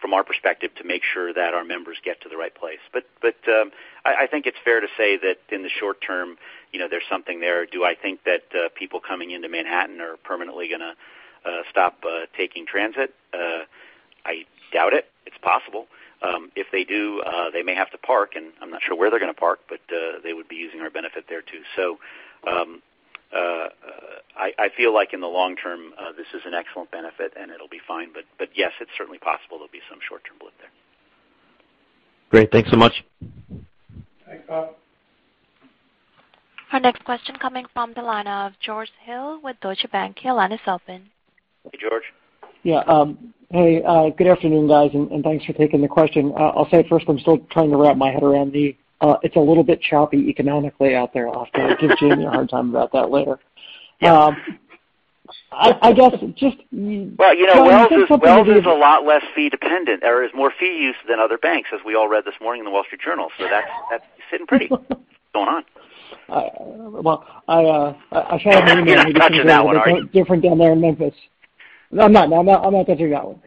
from our perspective to make sure that our members get to the right place. I think it's fair to say that in the short term there's something there. Do I think that people coming into Manhattan are permanently going to stop taking transit? I doubt it. It's possible. If they do, they may have to park, and I'm not sure where they're going to park, but they would be using our benefit there, too. I feel like in the long term this is an excellent benefit and it'll be fine. Yes, it's certainly possible there'll be some short-term blip there. Great. Thanks so much. Thanks, Bob. Our next question coming from the line of George Hill with Deutsche Bank. Your line is open. Hey, George. Yeah. Hey, good afternoon, guys, and thanks for taking the question. I'll say it first, I'm still trying to wrap my head around it's a little bit choppy economically out there. I'll give Jim a hard time about that later. Wells is a lot less fee dependent. There is more fees than other banks, as we all read this morning in The Wall Street Journal. That's sitting pretty going on. Well, You're not touching that one, are you? different down there in Memphis. No, I'm not touching that one.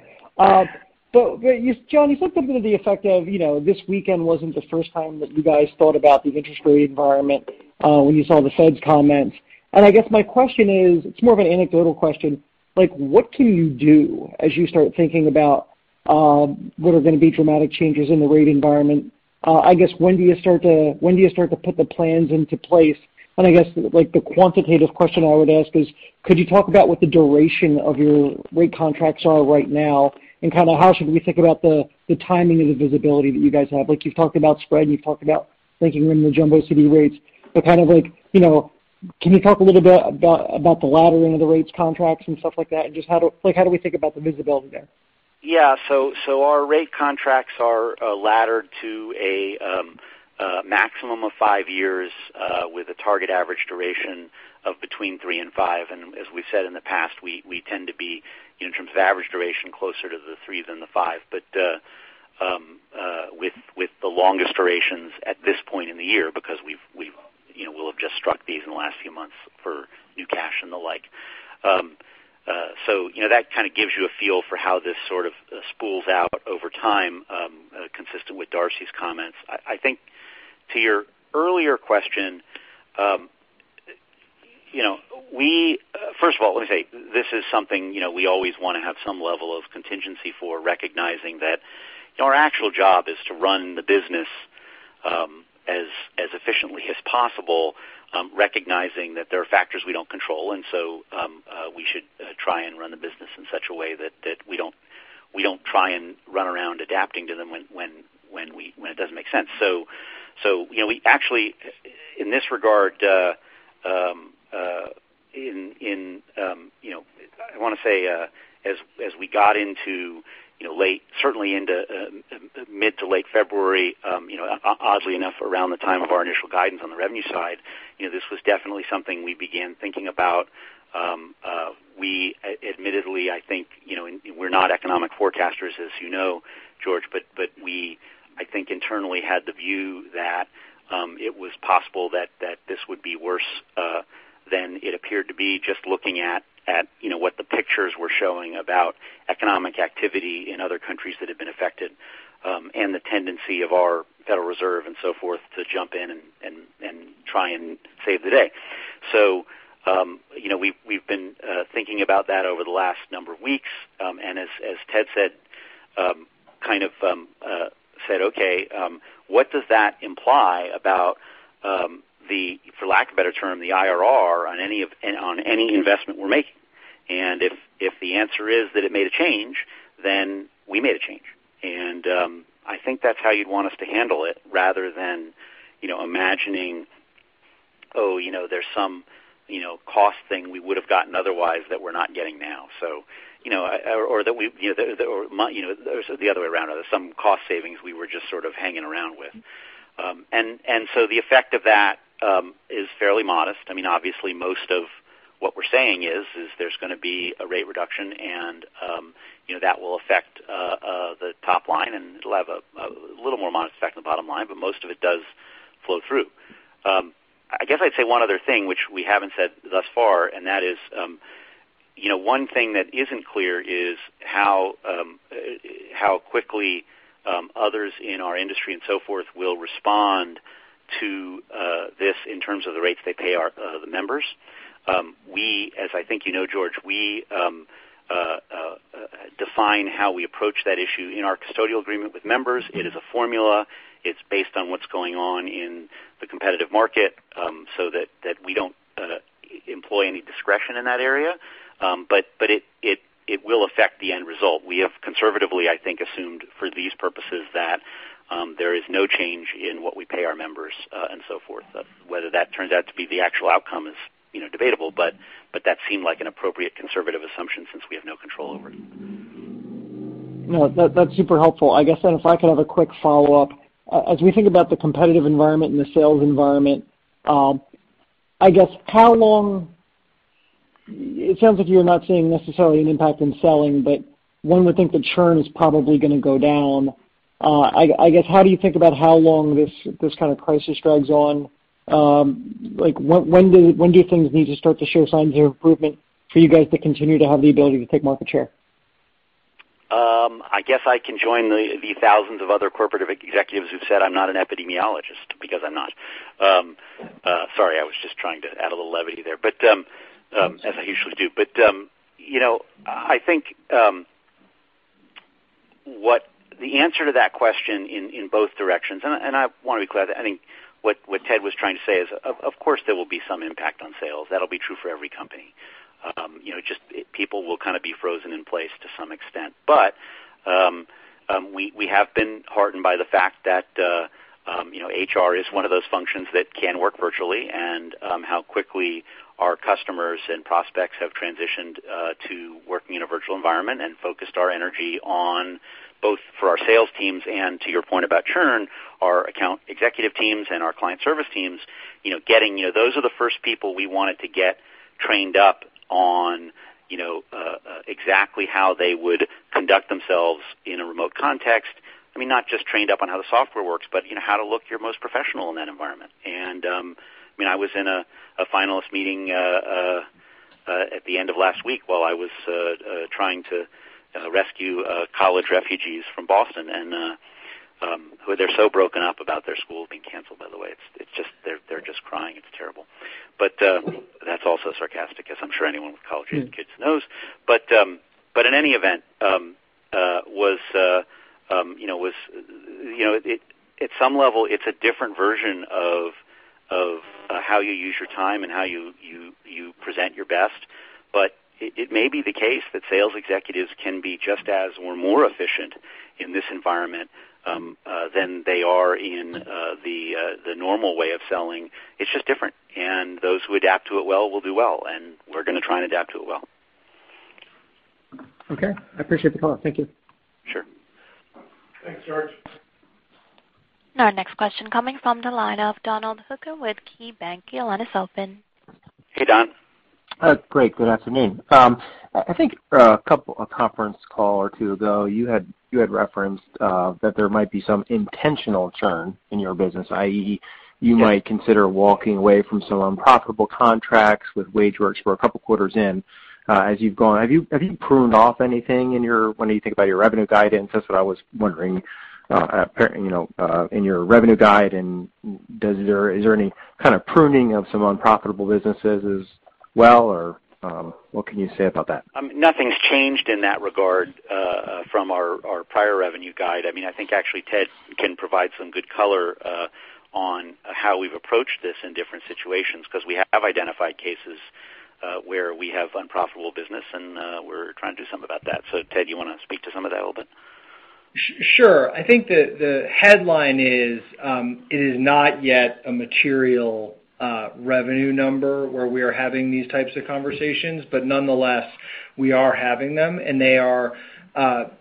Jon, you said something to the effect of this weekend wasn't the first time that you guys thought about the interest rate environment when you saw the Fed's comments. I guess my question is, it's more of an anecdotal question. What can you do as you start thinking about what are going to be dramatic changes in the rate environment? I guess, when do you start to put the plans into place? I guess the quantitative question I would ask is, could you talk about what the duration of your rate contracts are right now, and how should we think about the timing of the visibility that you guys have? You've talked about spread, you've talked about thinking in the jumbo CD rates, but can you talk a little bit about the laddering of the rates contracts and stuff like that, and just how do we think about the visibility there? Yeah. Our rate contracts are laddered to a maximum of five years with a target average duration of between three and five. As we've said in the past, we tend to be, in terms of average duration, closer to the three than the five. But with the longest durations at this point in the year because we'll have just struck these in the last few months for new cash and the like. That kind of gives you a feel for how this sort of spools out over time consistent with Darcy's comments. I think to your earlier question, first of all, let me say this is something we always want to have some level of contingency for recognizing that our actual job is to run the business as efficiently as possible, recognizing that there are factors we don't control. We should try and run the business in such a way that we don't try and run around adapting to them when it doesn't make sense. We actually, in this regard, I want to say as we got into certainly into mid-to-late February, oddly enough, around the time of our initial guidance on the revenue side, this was definitely something we began thinking about. Admittedly, I think we're not economic forecasters as you know, George, but we, I think internally had the view that it was possible that this would be worse than it appeared to be just looking at what the pictures were showing about economic activity in other countries that have been affected and the tendency of our Federal Reserve and so forth to jump in and try and save the day. We've been thinking about that over the last number of weeks. As Ted said, kind of said, okay what does that imply about the, for lack of a better term, the IRR on any investment we're making. If the answer is that it made a change, then we made a change. I think that's how you'd want us to handle it rather than imagining, oh there's some cost thing we would've gotten otherwise that we're not getting now. The other way around, some cost savings we were just sort of hanging around with. The effect of that is fairly modest. Obviously, most of what we're saying is there's going to be a rate reduction and that will affect the top line, and it'll have a little more modest effect on the bottom line, but most of it does flow through. I guess I'd say one other thing, which we haven't said thus far, and that is, one thing that isn't clear is how quickly others in our industry and so forth will respond to this in terms of the rates they pay the members. We, as I think you know, George, we define how we approach that issue in our custodial agreement with members. It is a formula. It's based on what's going on in the competitive market, so that we don't employ any discretion in that area. It will affect the end result. We have conservatively, I think, assumed for these purposes that there is no change in what we pay our members and so forth. Whether that turns out to be the actual outcome is debatable, that seemed like an appropriate conservative assumption since we have no control over it. No, that's super helpful. I guess if I could have a quick follow-up. As we think about the competitive environment and the sales environment, it sounds like you're not seeing necessarily an impact in selling, but one would think the churn is probably going to go down. I guess, how do you think about how long this kind of crisis drags on? When do things need to start to show signs of improvement for you guys to continue to have the ability to take market share? I guess I can join the thousands of other corporate executives who've said I'm not an epidemiologist, because I'm not. Sorry, I was just trying to add a little levity there, as I usually do. I think the answer to that question in both directions, and I want to be clear, I think what Ted was trying to say is, of course there will be some impact on sales. That'll be true for every company. Just people will kind of be frozen in place to some extent. We have been heartened by the fact that HR is one of those functions that can work virtually, and how quickly our customers and prospects have transitioned to working in a virtual environment and focused our energy on both for our sales teams, and to your point about churn, our account executive teams and our client service teams. Those are the first people we wanted to get trained up on exactly how they would conduct themselves in a remote context. Not just trained up on how the software works, but how to look your most professional in that environment. I was in a finalist meeting at the end of last week while I was trying to rescue college refugees from Boston. They're so broken up about their school being canceled, by the way. They're just crying. It's terrible. That's also sarcastic, as I'm sure anyone with college-aged kids knows. In any event, at some level, it's a different version of how you use your time and how you present your best. It may be the case that sales executives can be just as, or more efficient in this environment than they are in the normal way of selling. It's just different, and those who adapt to it well will do well, and we're going to try and adapt to it well. Okay. I appreciate the call. Thank you. Sure. Thanks, George. Our next question coming from the line of Donald Hooker with KeyBanc. Your line is open. Hey, Don. Great. Good afternoon. I think a conference call or two ago, you had referenced that there might be some intentional churn in your business, i.e., you might consider walking away from some unprofitable contracts with WageWorks. We're a couple quarters in. As you've gone, have you pruned off anything when you think about your revenue guidance? That's what I was wondering. In your revenue guide, is there any kind of pruning of some unprofitable businesses as well, or what can you say about that? Nothing's changed in that regard from our prior revenue guide. I think actually Ted can provide some good color on how we've approached this in different situations, because we have identified cases where we have unprofitable business, and we're trying to do something about that. Ted, you want to speak to some of that a little bit? Sure. I think the headline is, it is not yet a material revenue number where we are having these types of conversations. Nonetheless, we are having them, and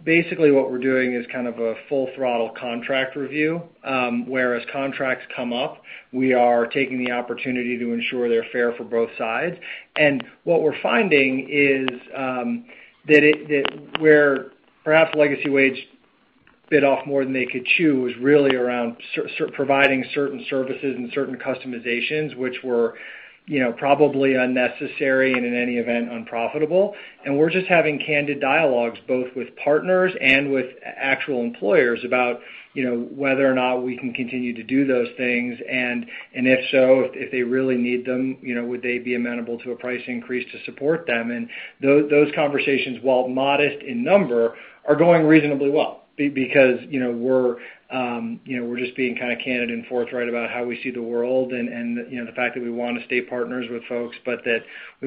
basically what we're doing is kind of a full throttle contract review. Whereas contracts come up, we are taking the opportunity to ensure they're fair for both sides. What we're finding is that where perhaps legacy WageWorks bit off more than they could chew is really around providing certain services and certain customizations, which were probably unnecessary and in any event, unprofitable. We're just having candid dialogues both with partners and with actual employers about whether or not we can continue to do those things, and if so, if they really need them, would they be amenable to a price increase to support them? Those conversations, while modest in number, are going reasonably well. We're just being kind of candid and forthright about how we see the world, and the fact that we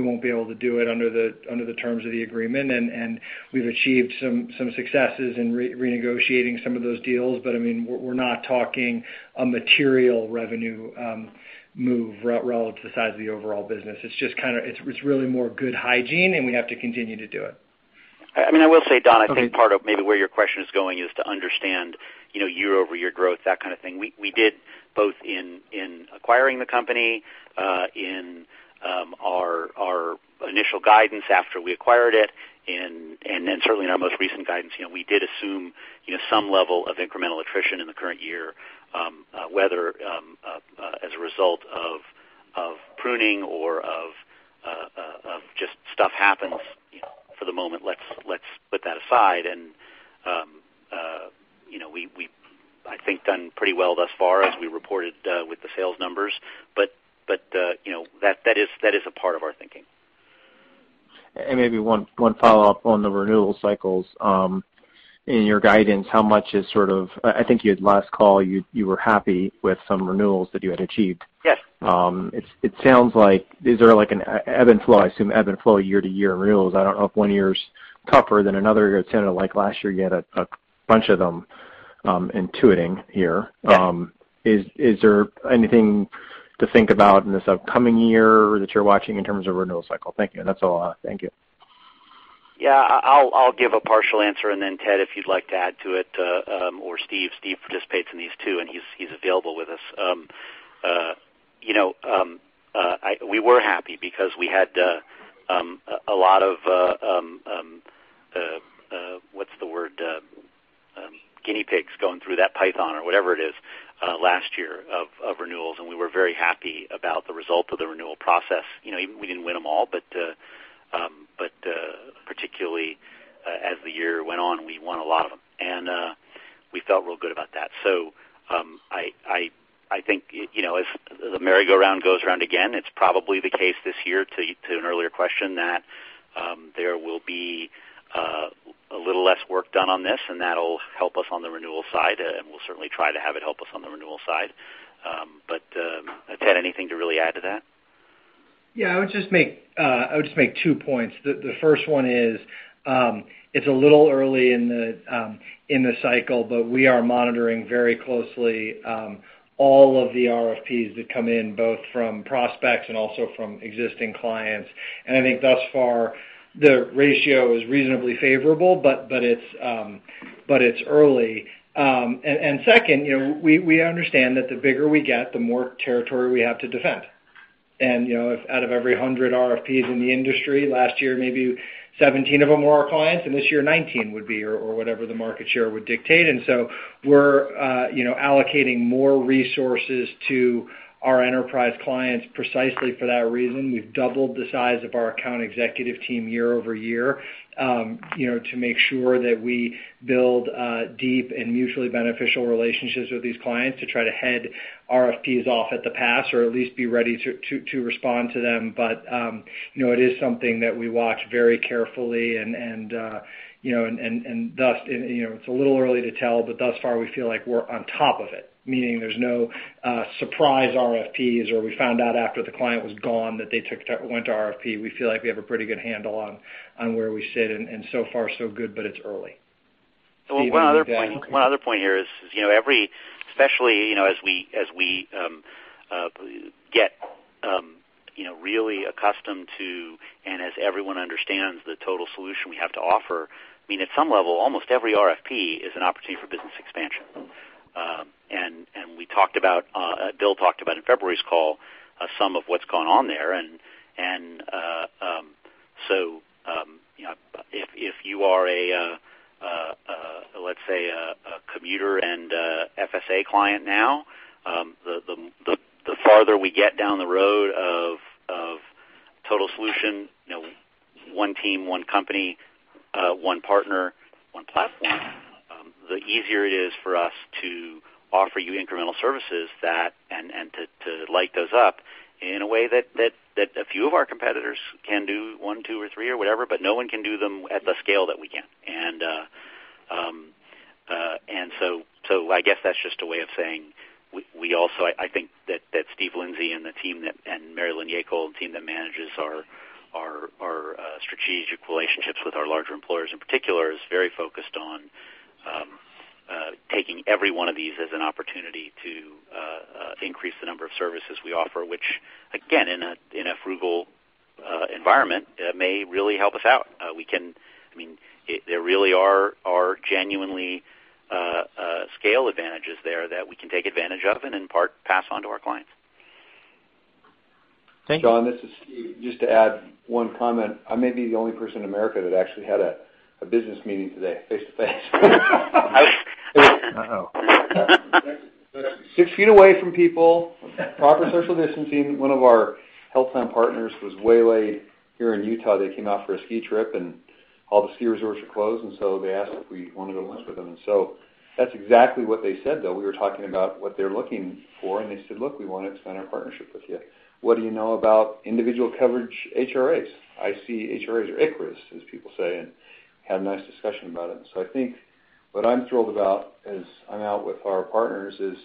won't be able to do it under the terms of the agreement. We've achieved some successes in renegotiating some of those deals. We're not talking a material revenue move relative to the size of the overall business. It's really more good hygiene, and we have to continue to do it. I will say, Don, I think part of maybe where your question is going is to understand year-over-year growth, that kind of thing. We did, both in acquiring the company, in our initial guidance after we acquired it, and certainly in our most recent guidance, we did assume some level of incremental attrition in the current year, whether as a result of pruning or of just stuff happens. For the moment, let's put that aside. We, I think, done pretty well thus far as we reported with the sales numbers. That is a part of our thinking. Maybe one follow-up on the renewal cycles. In your guidance, I think last call, you were happy with some renewals that you had achieved. Yes. It sounds like, these are like an ebb and flow, I assume, ebb and flow year-to-year renewals. I don't know if one year's tougher than another. It sounded like last year you had a bunch of them intuiting here. Yeah. Is there anything to think about in this upcoming year that you're watching in terms of renewal cycle? Thank you. That's all. Thank you. I'll give a partial answer, then Ted, if you'd like to add to it, or Steve. Steve participates in these, too, and he's available with us. We were happy because we had a lot of, what's the word, guinea pigs going through that python or whatever it is, last year of renewals, and we were very happy about the result of the renewal process. We didn't win them all, but particularly as the year went on, we won a lot of them. We felt real good about that. I think, as the merry-go-round goes around again, it's probably the case this year, to an earlier question, that there will be a little less work done on this, and that'll help us on the renewal side, and we'll certainly try to have it help us on the renewal side. Ted, anything to really add to that? I would just make two points. The first one is, it's a little early in the cycle, but we are monitoring very closely all of the RFPs that come in, both from prospects and also from existing clients. I think thus far, the ratio is reasonably favorable, but it's early. Second, we understand that the bigger we get, the more territory we have to defend. If out of every 100 RFPs in the industry, last year maybe 17 of them were our clients, this year 19 would be, or whatever the market share would dictate. We're allocating more resources to our enterprise clients precisely for that reason. We've doubled the size of our account executive team year-over-year to make sure that we build deep and mutually beneficial relationships with these clients to try to head RFPs off at the pass or at least be ready to respond to them. It is something that we watch very carefully, and thus, it's a little early to tell, but thus far, we feel like we're on top of it, meaning there's no surprise RFPs, or we found out after the client was gone that they went to RFP. We feel like we have a pretty good handle on where we sit, and so far so good, but it's early. One other point here is every, especially as we get really accustomed to, and as everyone understands the total solution we have to offer, at some level, almost every RFP is an opportunity for business expansion. Bill talked about in February's call some of what's gone on there. If you are a, let's say, a commuter and an FSA client now, the farther we get down the road of total solution, one team, one company, one partner, one platform, the easier it is for us to offer you incremental services and to light those up in a way that a few of our competitors can do one, two, or three or whatever, but no one can do them at the scale that we can. I guess that's just a way of saying, I think that Steve Lindsay and the team, and Mary Lynn Yacobelli and team that manages our strategic relationships with our larger employers in particular, is very focused on taking every one of these as an opportunity to increase the number of services we offer, which again, in a frugal environment, may really help us out. There really are genuinely scale advantages there that we can take advantage of and in part pass on to our clients. Thank you. Jon, this is Steve. Just to add one comment. I may be the only person in America that actually had a business meeting today face-to-face. Uh-oh. Six feet away from people, proper social distancing. One of our health plan partners was waylaid here in Utah. They came out for a ski trip, and all the ski resorts are closed. They asked if we want to go to lunch with them. That's exactly what they said, though. We were talking about what they're looking for, and they said, "Look, we want to expand our partnership with you. What do you know about individual coverage HRAs? ICHRAs or ICHRAs, as people say," Had a nice discussion about it. I think what I'm thrilled about as I'm out with our partners is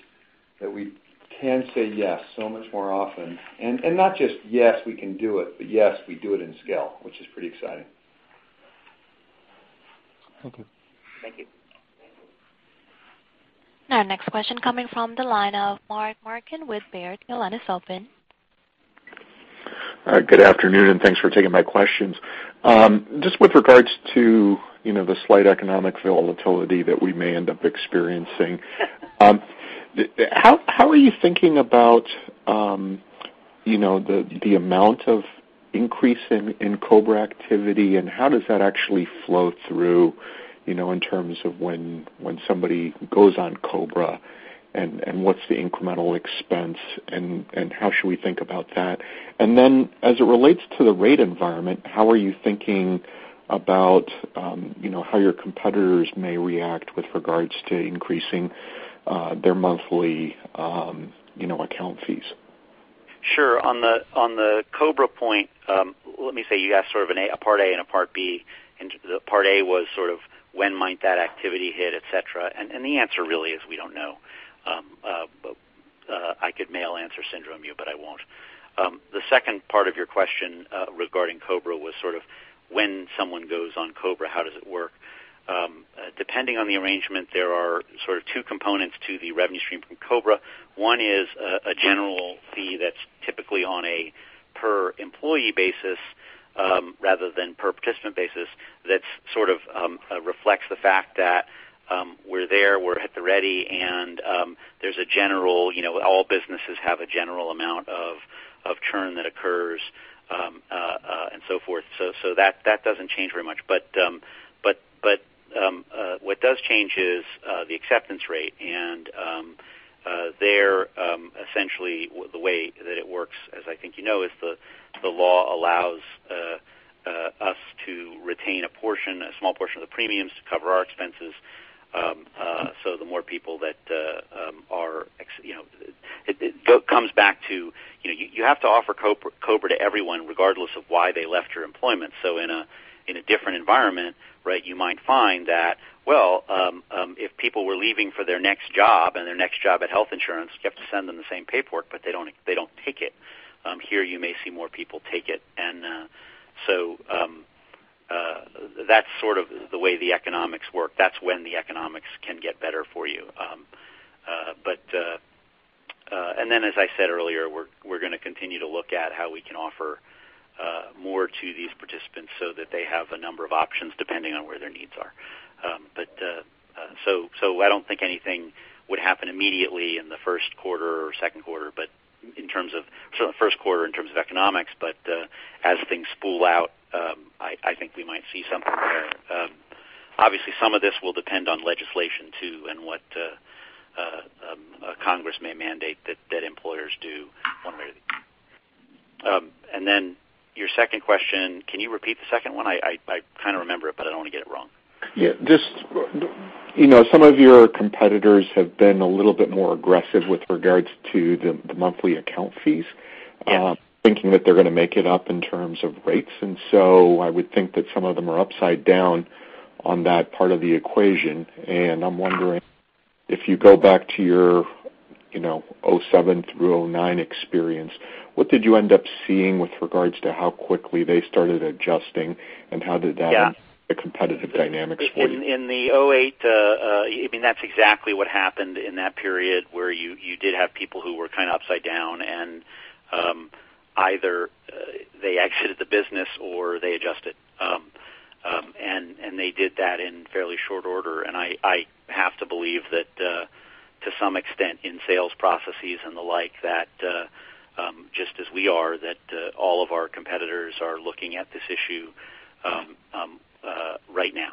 that we can say yes so much more often. Not just, yes, we can do it, but yes, we do it in scale, which is pretty exciting. Okay. Thank you. Our next question coming from the line of Mark Marcon with Baird. Your line is open. Good afternoon, thanks for taking my questions. Just with regards to the slight economic volatility that we may end up experiencing, how are you thinking about the amount of increase in COBRA activity, how does that actually flow through, in terms of when somebody goes on COBRA, what's the incremental expense, how should we think about that? As it relates to the rate environment, how are you thinking about how your competitors may react with regards to increasing their monthly account fees? Sure. On the COBRA point, let me say you asked sort of a part A and a part B, the part A was sort of when might that activity hit, et cetera. The answer really is we don't know. I could mail answer syndrome you, but I won't. The second part of your question regarding COBRA was sort of when someone goes on COBRA, how does it work? Depending on the arrangement, there are sort of two components to the revenue stream from COBRA. One is a general fee that's typically on a per employee basis, rather than per participant basis. That sort of reflects the fact that we're there, we're at the ready, and all businesses have a general amount of churn that occurs, and so forth. That doesn't change very much. What does change is the acceptance rate, and there, essentially, the way that it works, as I think you know, is the law allows us to retain a small portion of the premiums to cover our expenses. You have to offer COBRA to everyone, regardless of why they left your employment. In a different environment, you might find that, well, if people were leaving for their next job and their next job at health insurance, you have to send them the same paperwork, but they don't take it. Here, you may see more people take it. That's sort of the way the economics work. That's when the economics can get better for you. As I said earlier, we're going to continue to look at how we can offer more to these participants so that they have a number of options, depending on where their needs are. I don't think anything would happen immediately in the first quarter or second quarter, in terms of economics. As things spool out, I think we might see something there. Obviously, some of this will depend on legislation too, and what Congress may mandate that employers do one way or the Your second question, can you repeat the second one? I kind of remember it, but I don't want to get it wrong. Yeah. Some of your competitors have been a little bit more aggressive with regards to the monthly account fees. Yeah. Thinking that they're going to make it up in terms of rates. I would think that some of them are upside down on that part of the equation. I'm wondering if you go back to your 2007-2009 experience, what did you end up seeing with regards to how quickly they started adjusting, and how did that- Yeah. -the competitive dynamics for you? In the 2008, that's exactly what happened in that period, where you did have people who were kind of upside down, and either they exited the business or they adjusted. They did that in fairly short order. I have to believe that, to some extent in sales processes and the like, that, just as we are, that all of our competitors are looking at this issue right now.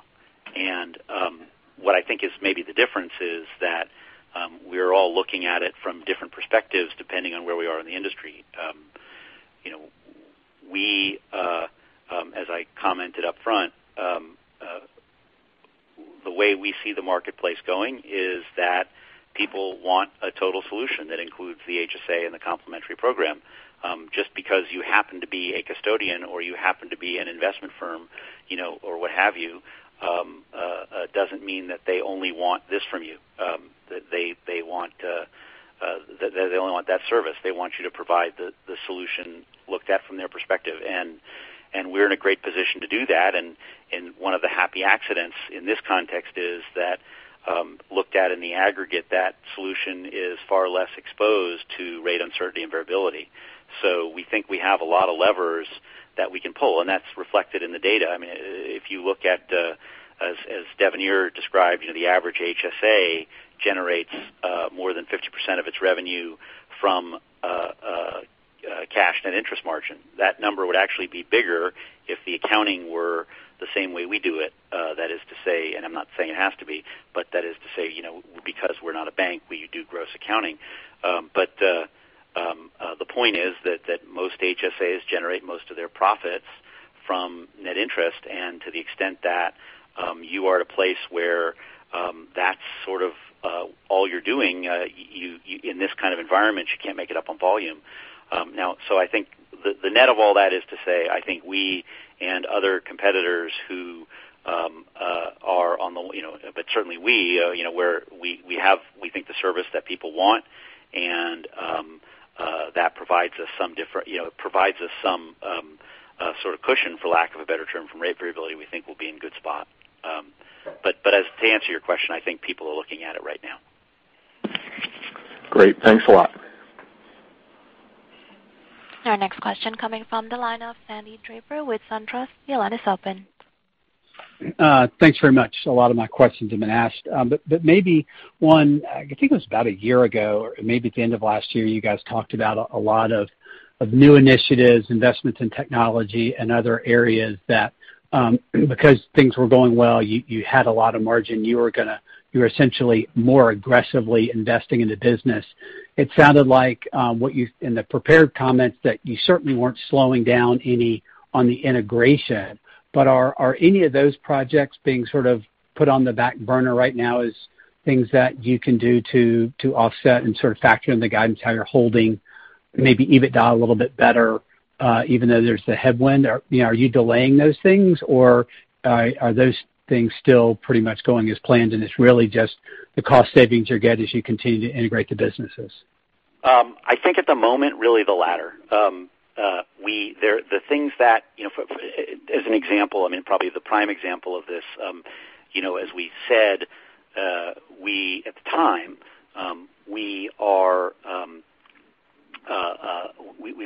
What I think is maybe the difference is that we're all looking at it from different perspectives, depending on where we are in the industry. We, as I commented up front, the way we see the marketplace going is that people want a total solution that includes the HSA and the complementary program. Just because you happen to be a custodian or you happen to be an investment firm, or what have you, doesn't mean that they only want this from you, that they only want that service. They want you to provide the solution looked at from their perspective. We're in a great position to do that. One of the happy accidents in this context is that, looked at in the aggregate, that solution is far less exposed to rate uncertainty and variability. We think we have a lot of levers that we can pull, and that's reflected in the data. If you look at, as Devenir, you described, the average HSA generates more than 50% of its revenue from cash net interest margin. That number would actually be bigger if the accounting were the same way we do it. That is to say, and I'm not saying it has to be, but that is to say, because we're not a bank, we do gross accounting. The point is that most HSAs generate most of their profits from net interest. To the extent that you are at a place where that's sort of all you're doing, in this kind of environment, you can't make it up on volume. I think the net of all that is to say, I think we and other competitors who are on the Certainly we think the service that people want, and that provides us some sort of cushion, for lack of a better term, from rate variability, we think we'll be in good spot. To answer your question, I think people are looking at it right now. Great. Thanks a lot. Our next question coming from the line of Sandy Draper with SunTrust. Your line is open. Thanks very much. A lot of my questions have been asked. Maybe one, I think it was about a year ago or maybe at the end of last year, you guys talked about a lot of new initiatives, investments in technology and other areas that because things were going well, you had a lot of margin. You were essentially more aggressively investing in the business. It sounded like in the prepared comments that you certainly weren't slowing down any on the integration. Are any of those projects being sort of put on the back burner right now as things that you can do to offset and sort of factor in the guidance how you're holding maybe EBITDA a little bit better even though there's the headwind? Are you delaying those things, or are those things still pretty much going as planned, and it's really just the cost savings you get as you continue to integrate the businesses? I think at the moment, really the latter. As an example, I mean, probably the prime example of this, as we said at the time, we've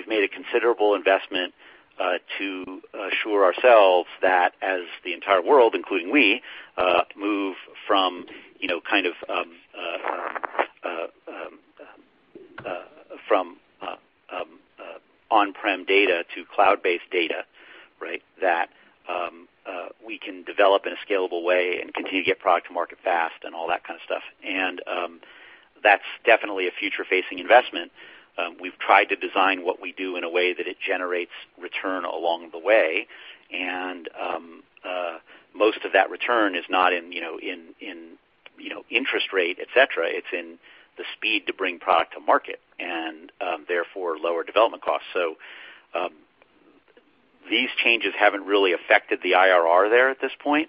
made a considerable investment to assure ourselves that as the entire world, including we, move from on-prem data to cloud-based data, that we can develop in a scalable way and continue to get product to market fast and all that kind of stuff. That's definitely a future-facing investment. We've tried to design what we do in a way that it generates return along the way, and most of that return is not in interest rate, et cetera. It's in the speed to bring product to market and therefore lower development costs. These changes haven't really affected the IRR there at this point,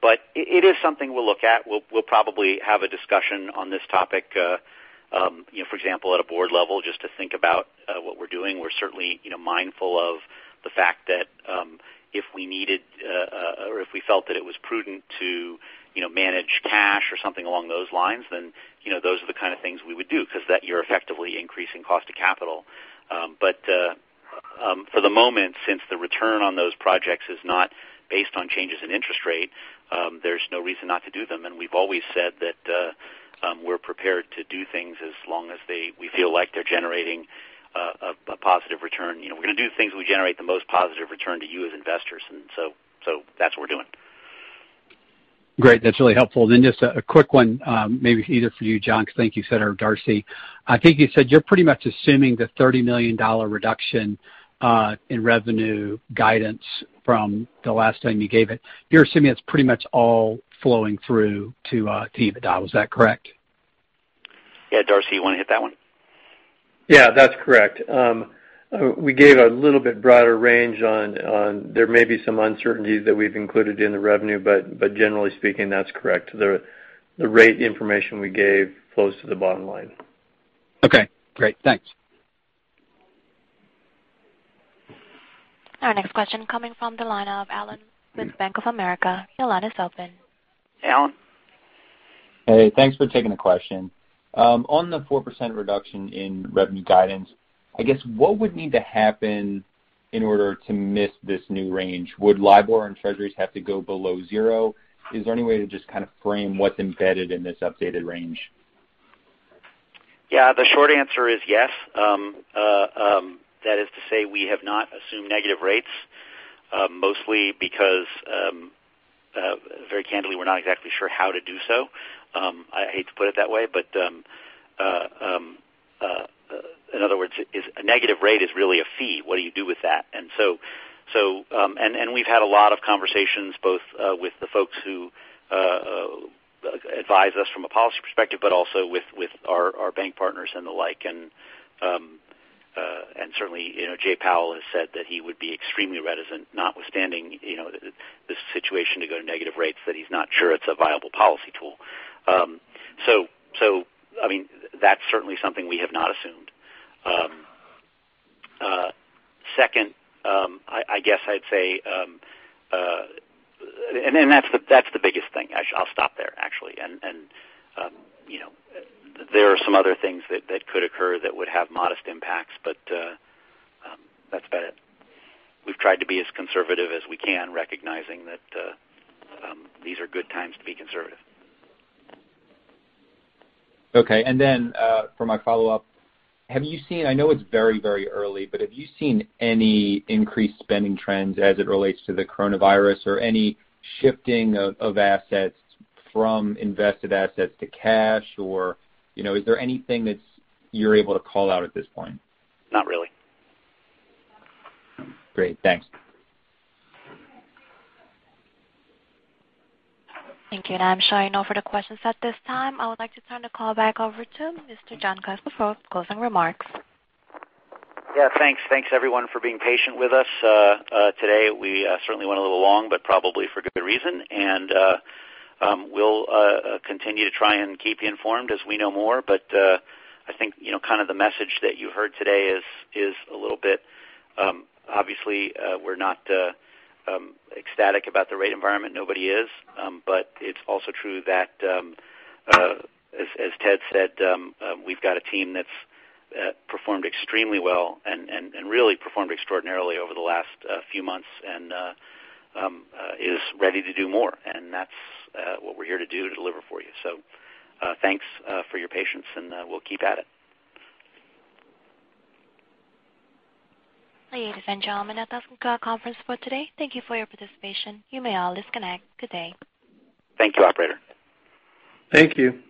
but it is something we'll look at. We'll probably have a discussion on this topic for example, at a board level, just to think about what we're doing. We're certainly mindful of the fact that if we needed or if we felt that it was prudent to manage cash or something along those lines, those are the kind of things we would do because that you're effectively increasing cost of capital. For the moment, since the return on those projects is not based on changes in interest rate, there's no reason not to do them. We've always said that we're prepared to do things as long as we feel like they're generating a positive return. We're going to do things that will generate the most positive return to you as investors. That's what we're doing. Great. That's really helpful. Just a quick one maybe either for you, Jon, because I think you said, or Darcy. I think you said you're pretty much assuming the $30 million reduction in revenue guidance from the last time you gave it. You're assuming it's pretty much all flowing through to EBITDA. Was that correct? Yeah. Darcy, you want to hit that one? Yeah, that's correct. We gave a little bit broader range on there may be some uncertainty that we've included in the revenue, but generally speaking, that's correct. The rate information we gave flows to the bottom line. Okay, great. Thanks. Our next question coming from the line of Allen with Bank of America. Your line is open. Allen? Hey, thanks for taking the question. On the 4% reduction in revenue guidance, I guess what would need to happen in order to miss this new range? Would LIBOR and Treasuries have to go below zero? Is there any way to just kind of frame what's embedded in this updated range? Yeah. The short answer is yes. That is to say, we have not assumed negative rates. Mostly because very candidly, we're not exactly sure how to do so. I hate to put it that way, but in other words, a negative rate is really a fee. What do you do with that? We've had a lot of conversations, both with the folks who advise us from a policy perspective, but also with our bank partners and the like. Certainly, Jerome Powell has said that he would be extremely reticent, notwithstanding this situation to go to negative rates, that he's not sure it's a viable policy tool. That's certainly something we have not assumed. Second, I guess I'd say, that's the biggest thing. I'll stop there, actually. There are some other things that could occur that would have modest impacts, but that's about it. We've tried to be as conservative as we can, recognizing that these are good times to be conservative. Okay. For my follow-up, I know it's very early, but have you seen any increased spending trends as it relates to the coronavirus or any shifting of assets from invested assets to cash? Is there anything that you're able to call out at this point? Not really. Great. Thanks. Thank you. I'm showing no further questions at this time. I would like to turn the call back over to Mr. Jon Kessler for closing remarks. Thanks. Thanks, everyone, for being patient with us today. We certainly went a little long, probably for good reason. We'll continue to try and keep you informed as we know more. I think kind of the message that you heard today is a little bit, obviously we're not ecstatic about the rate environment. Nobody is. It's also true that as Ted said, we've got a team that's performed extremely well and really performed extraordinarily over the last few months and is ready to do more. That's what we're here to do, to deliver for you. Thanks for your patience, and we'll keep at it. Ladies and gentlemen, that does conclude our conference for today. Thank you for your participation. You may all disconnect. Good day. Thank you, operator. Thank you.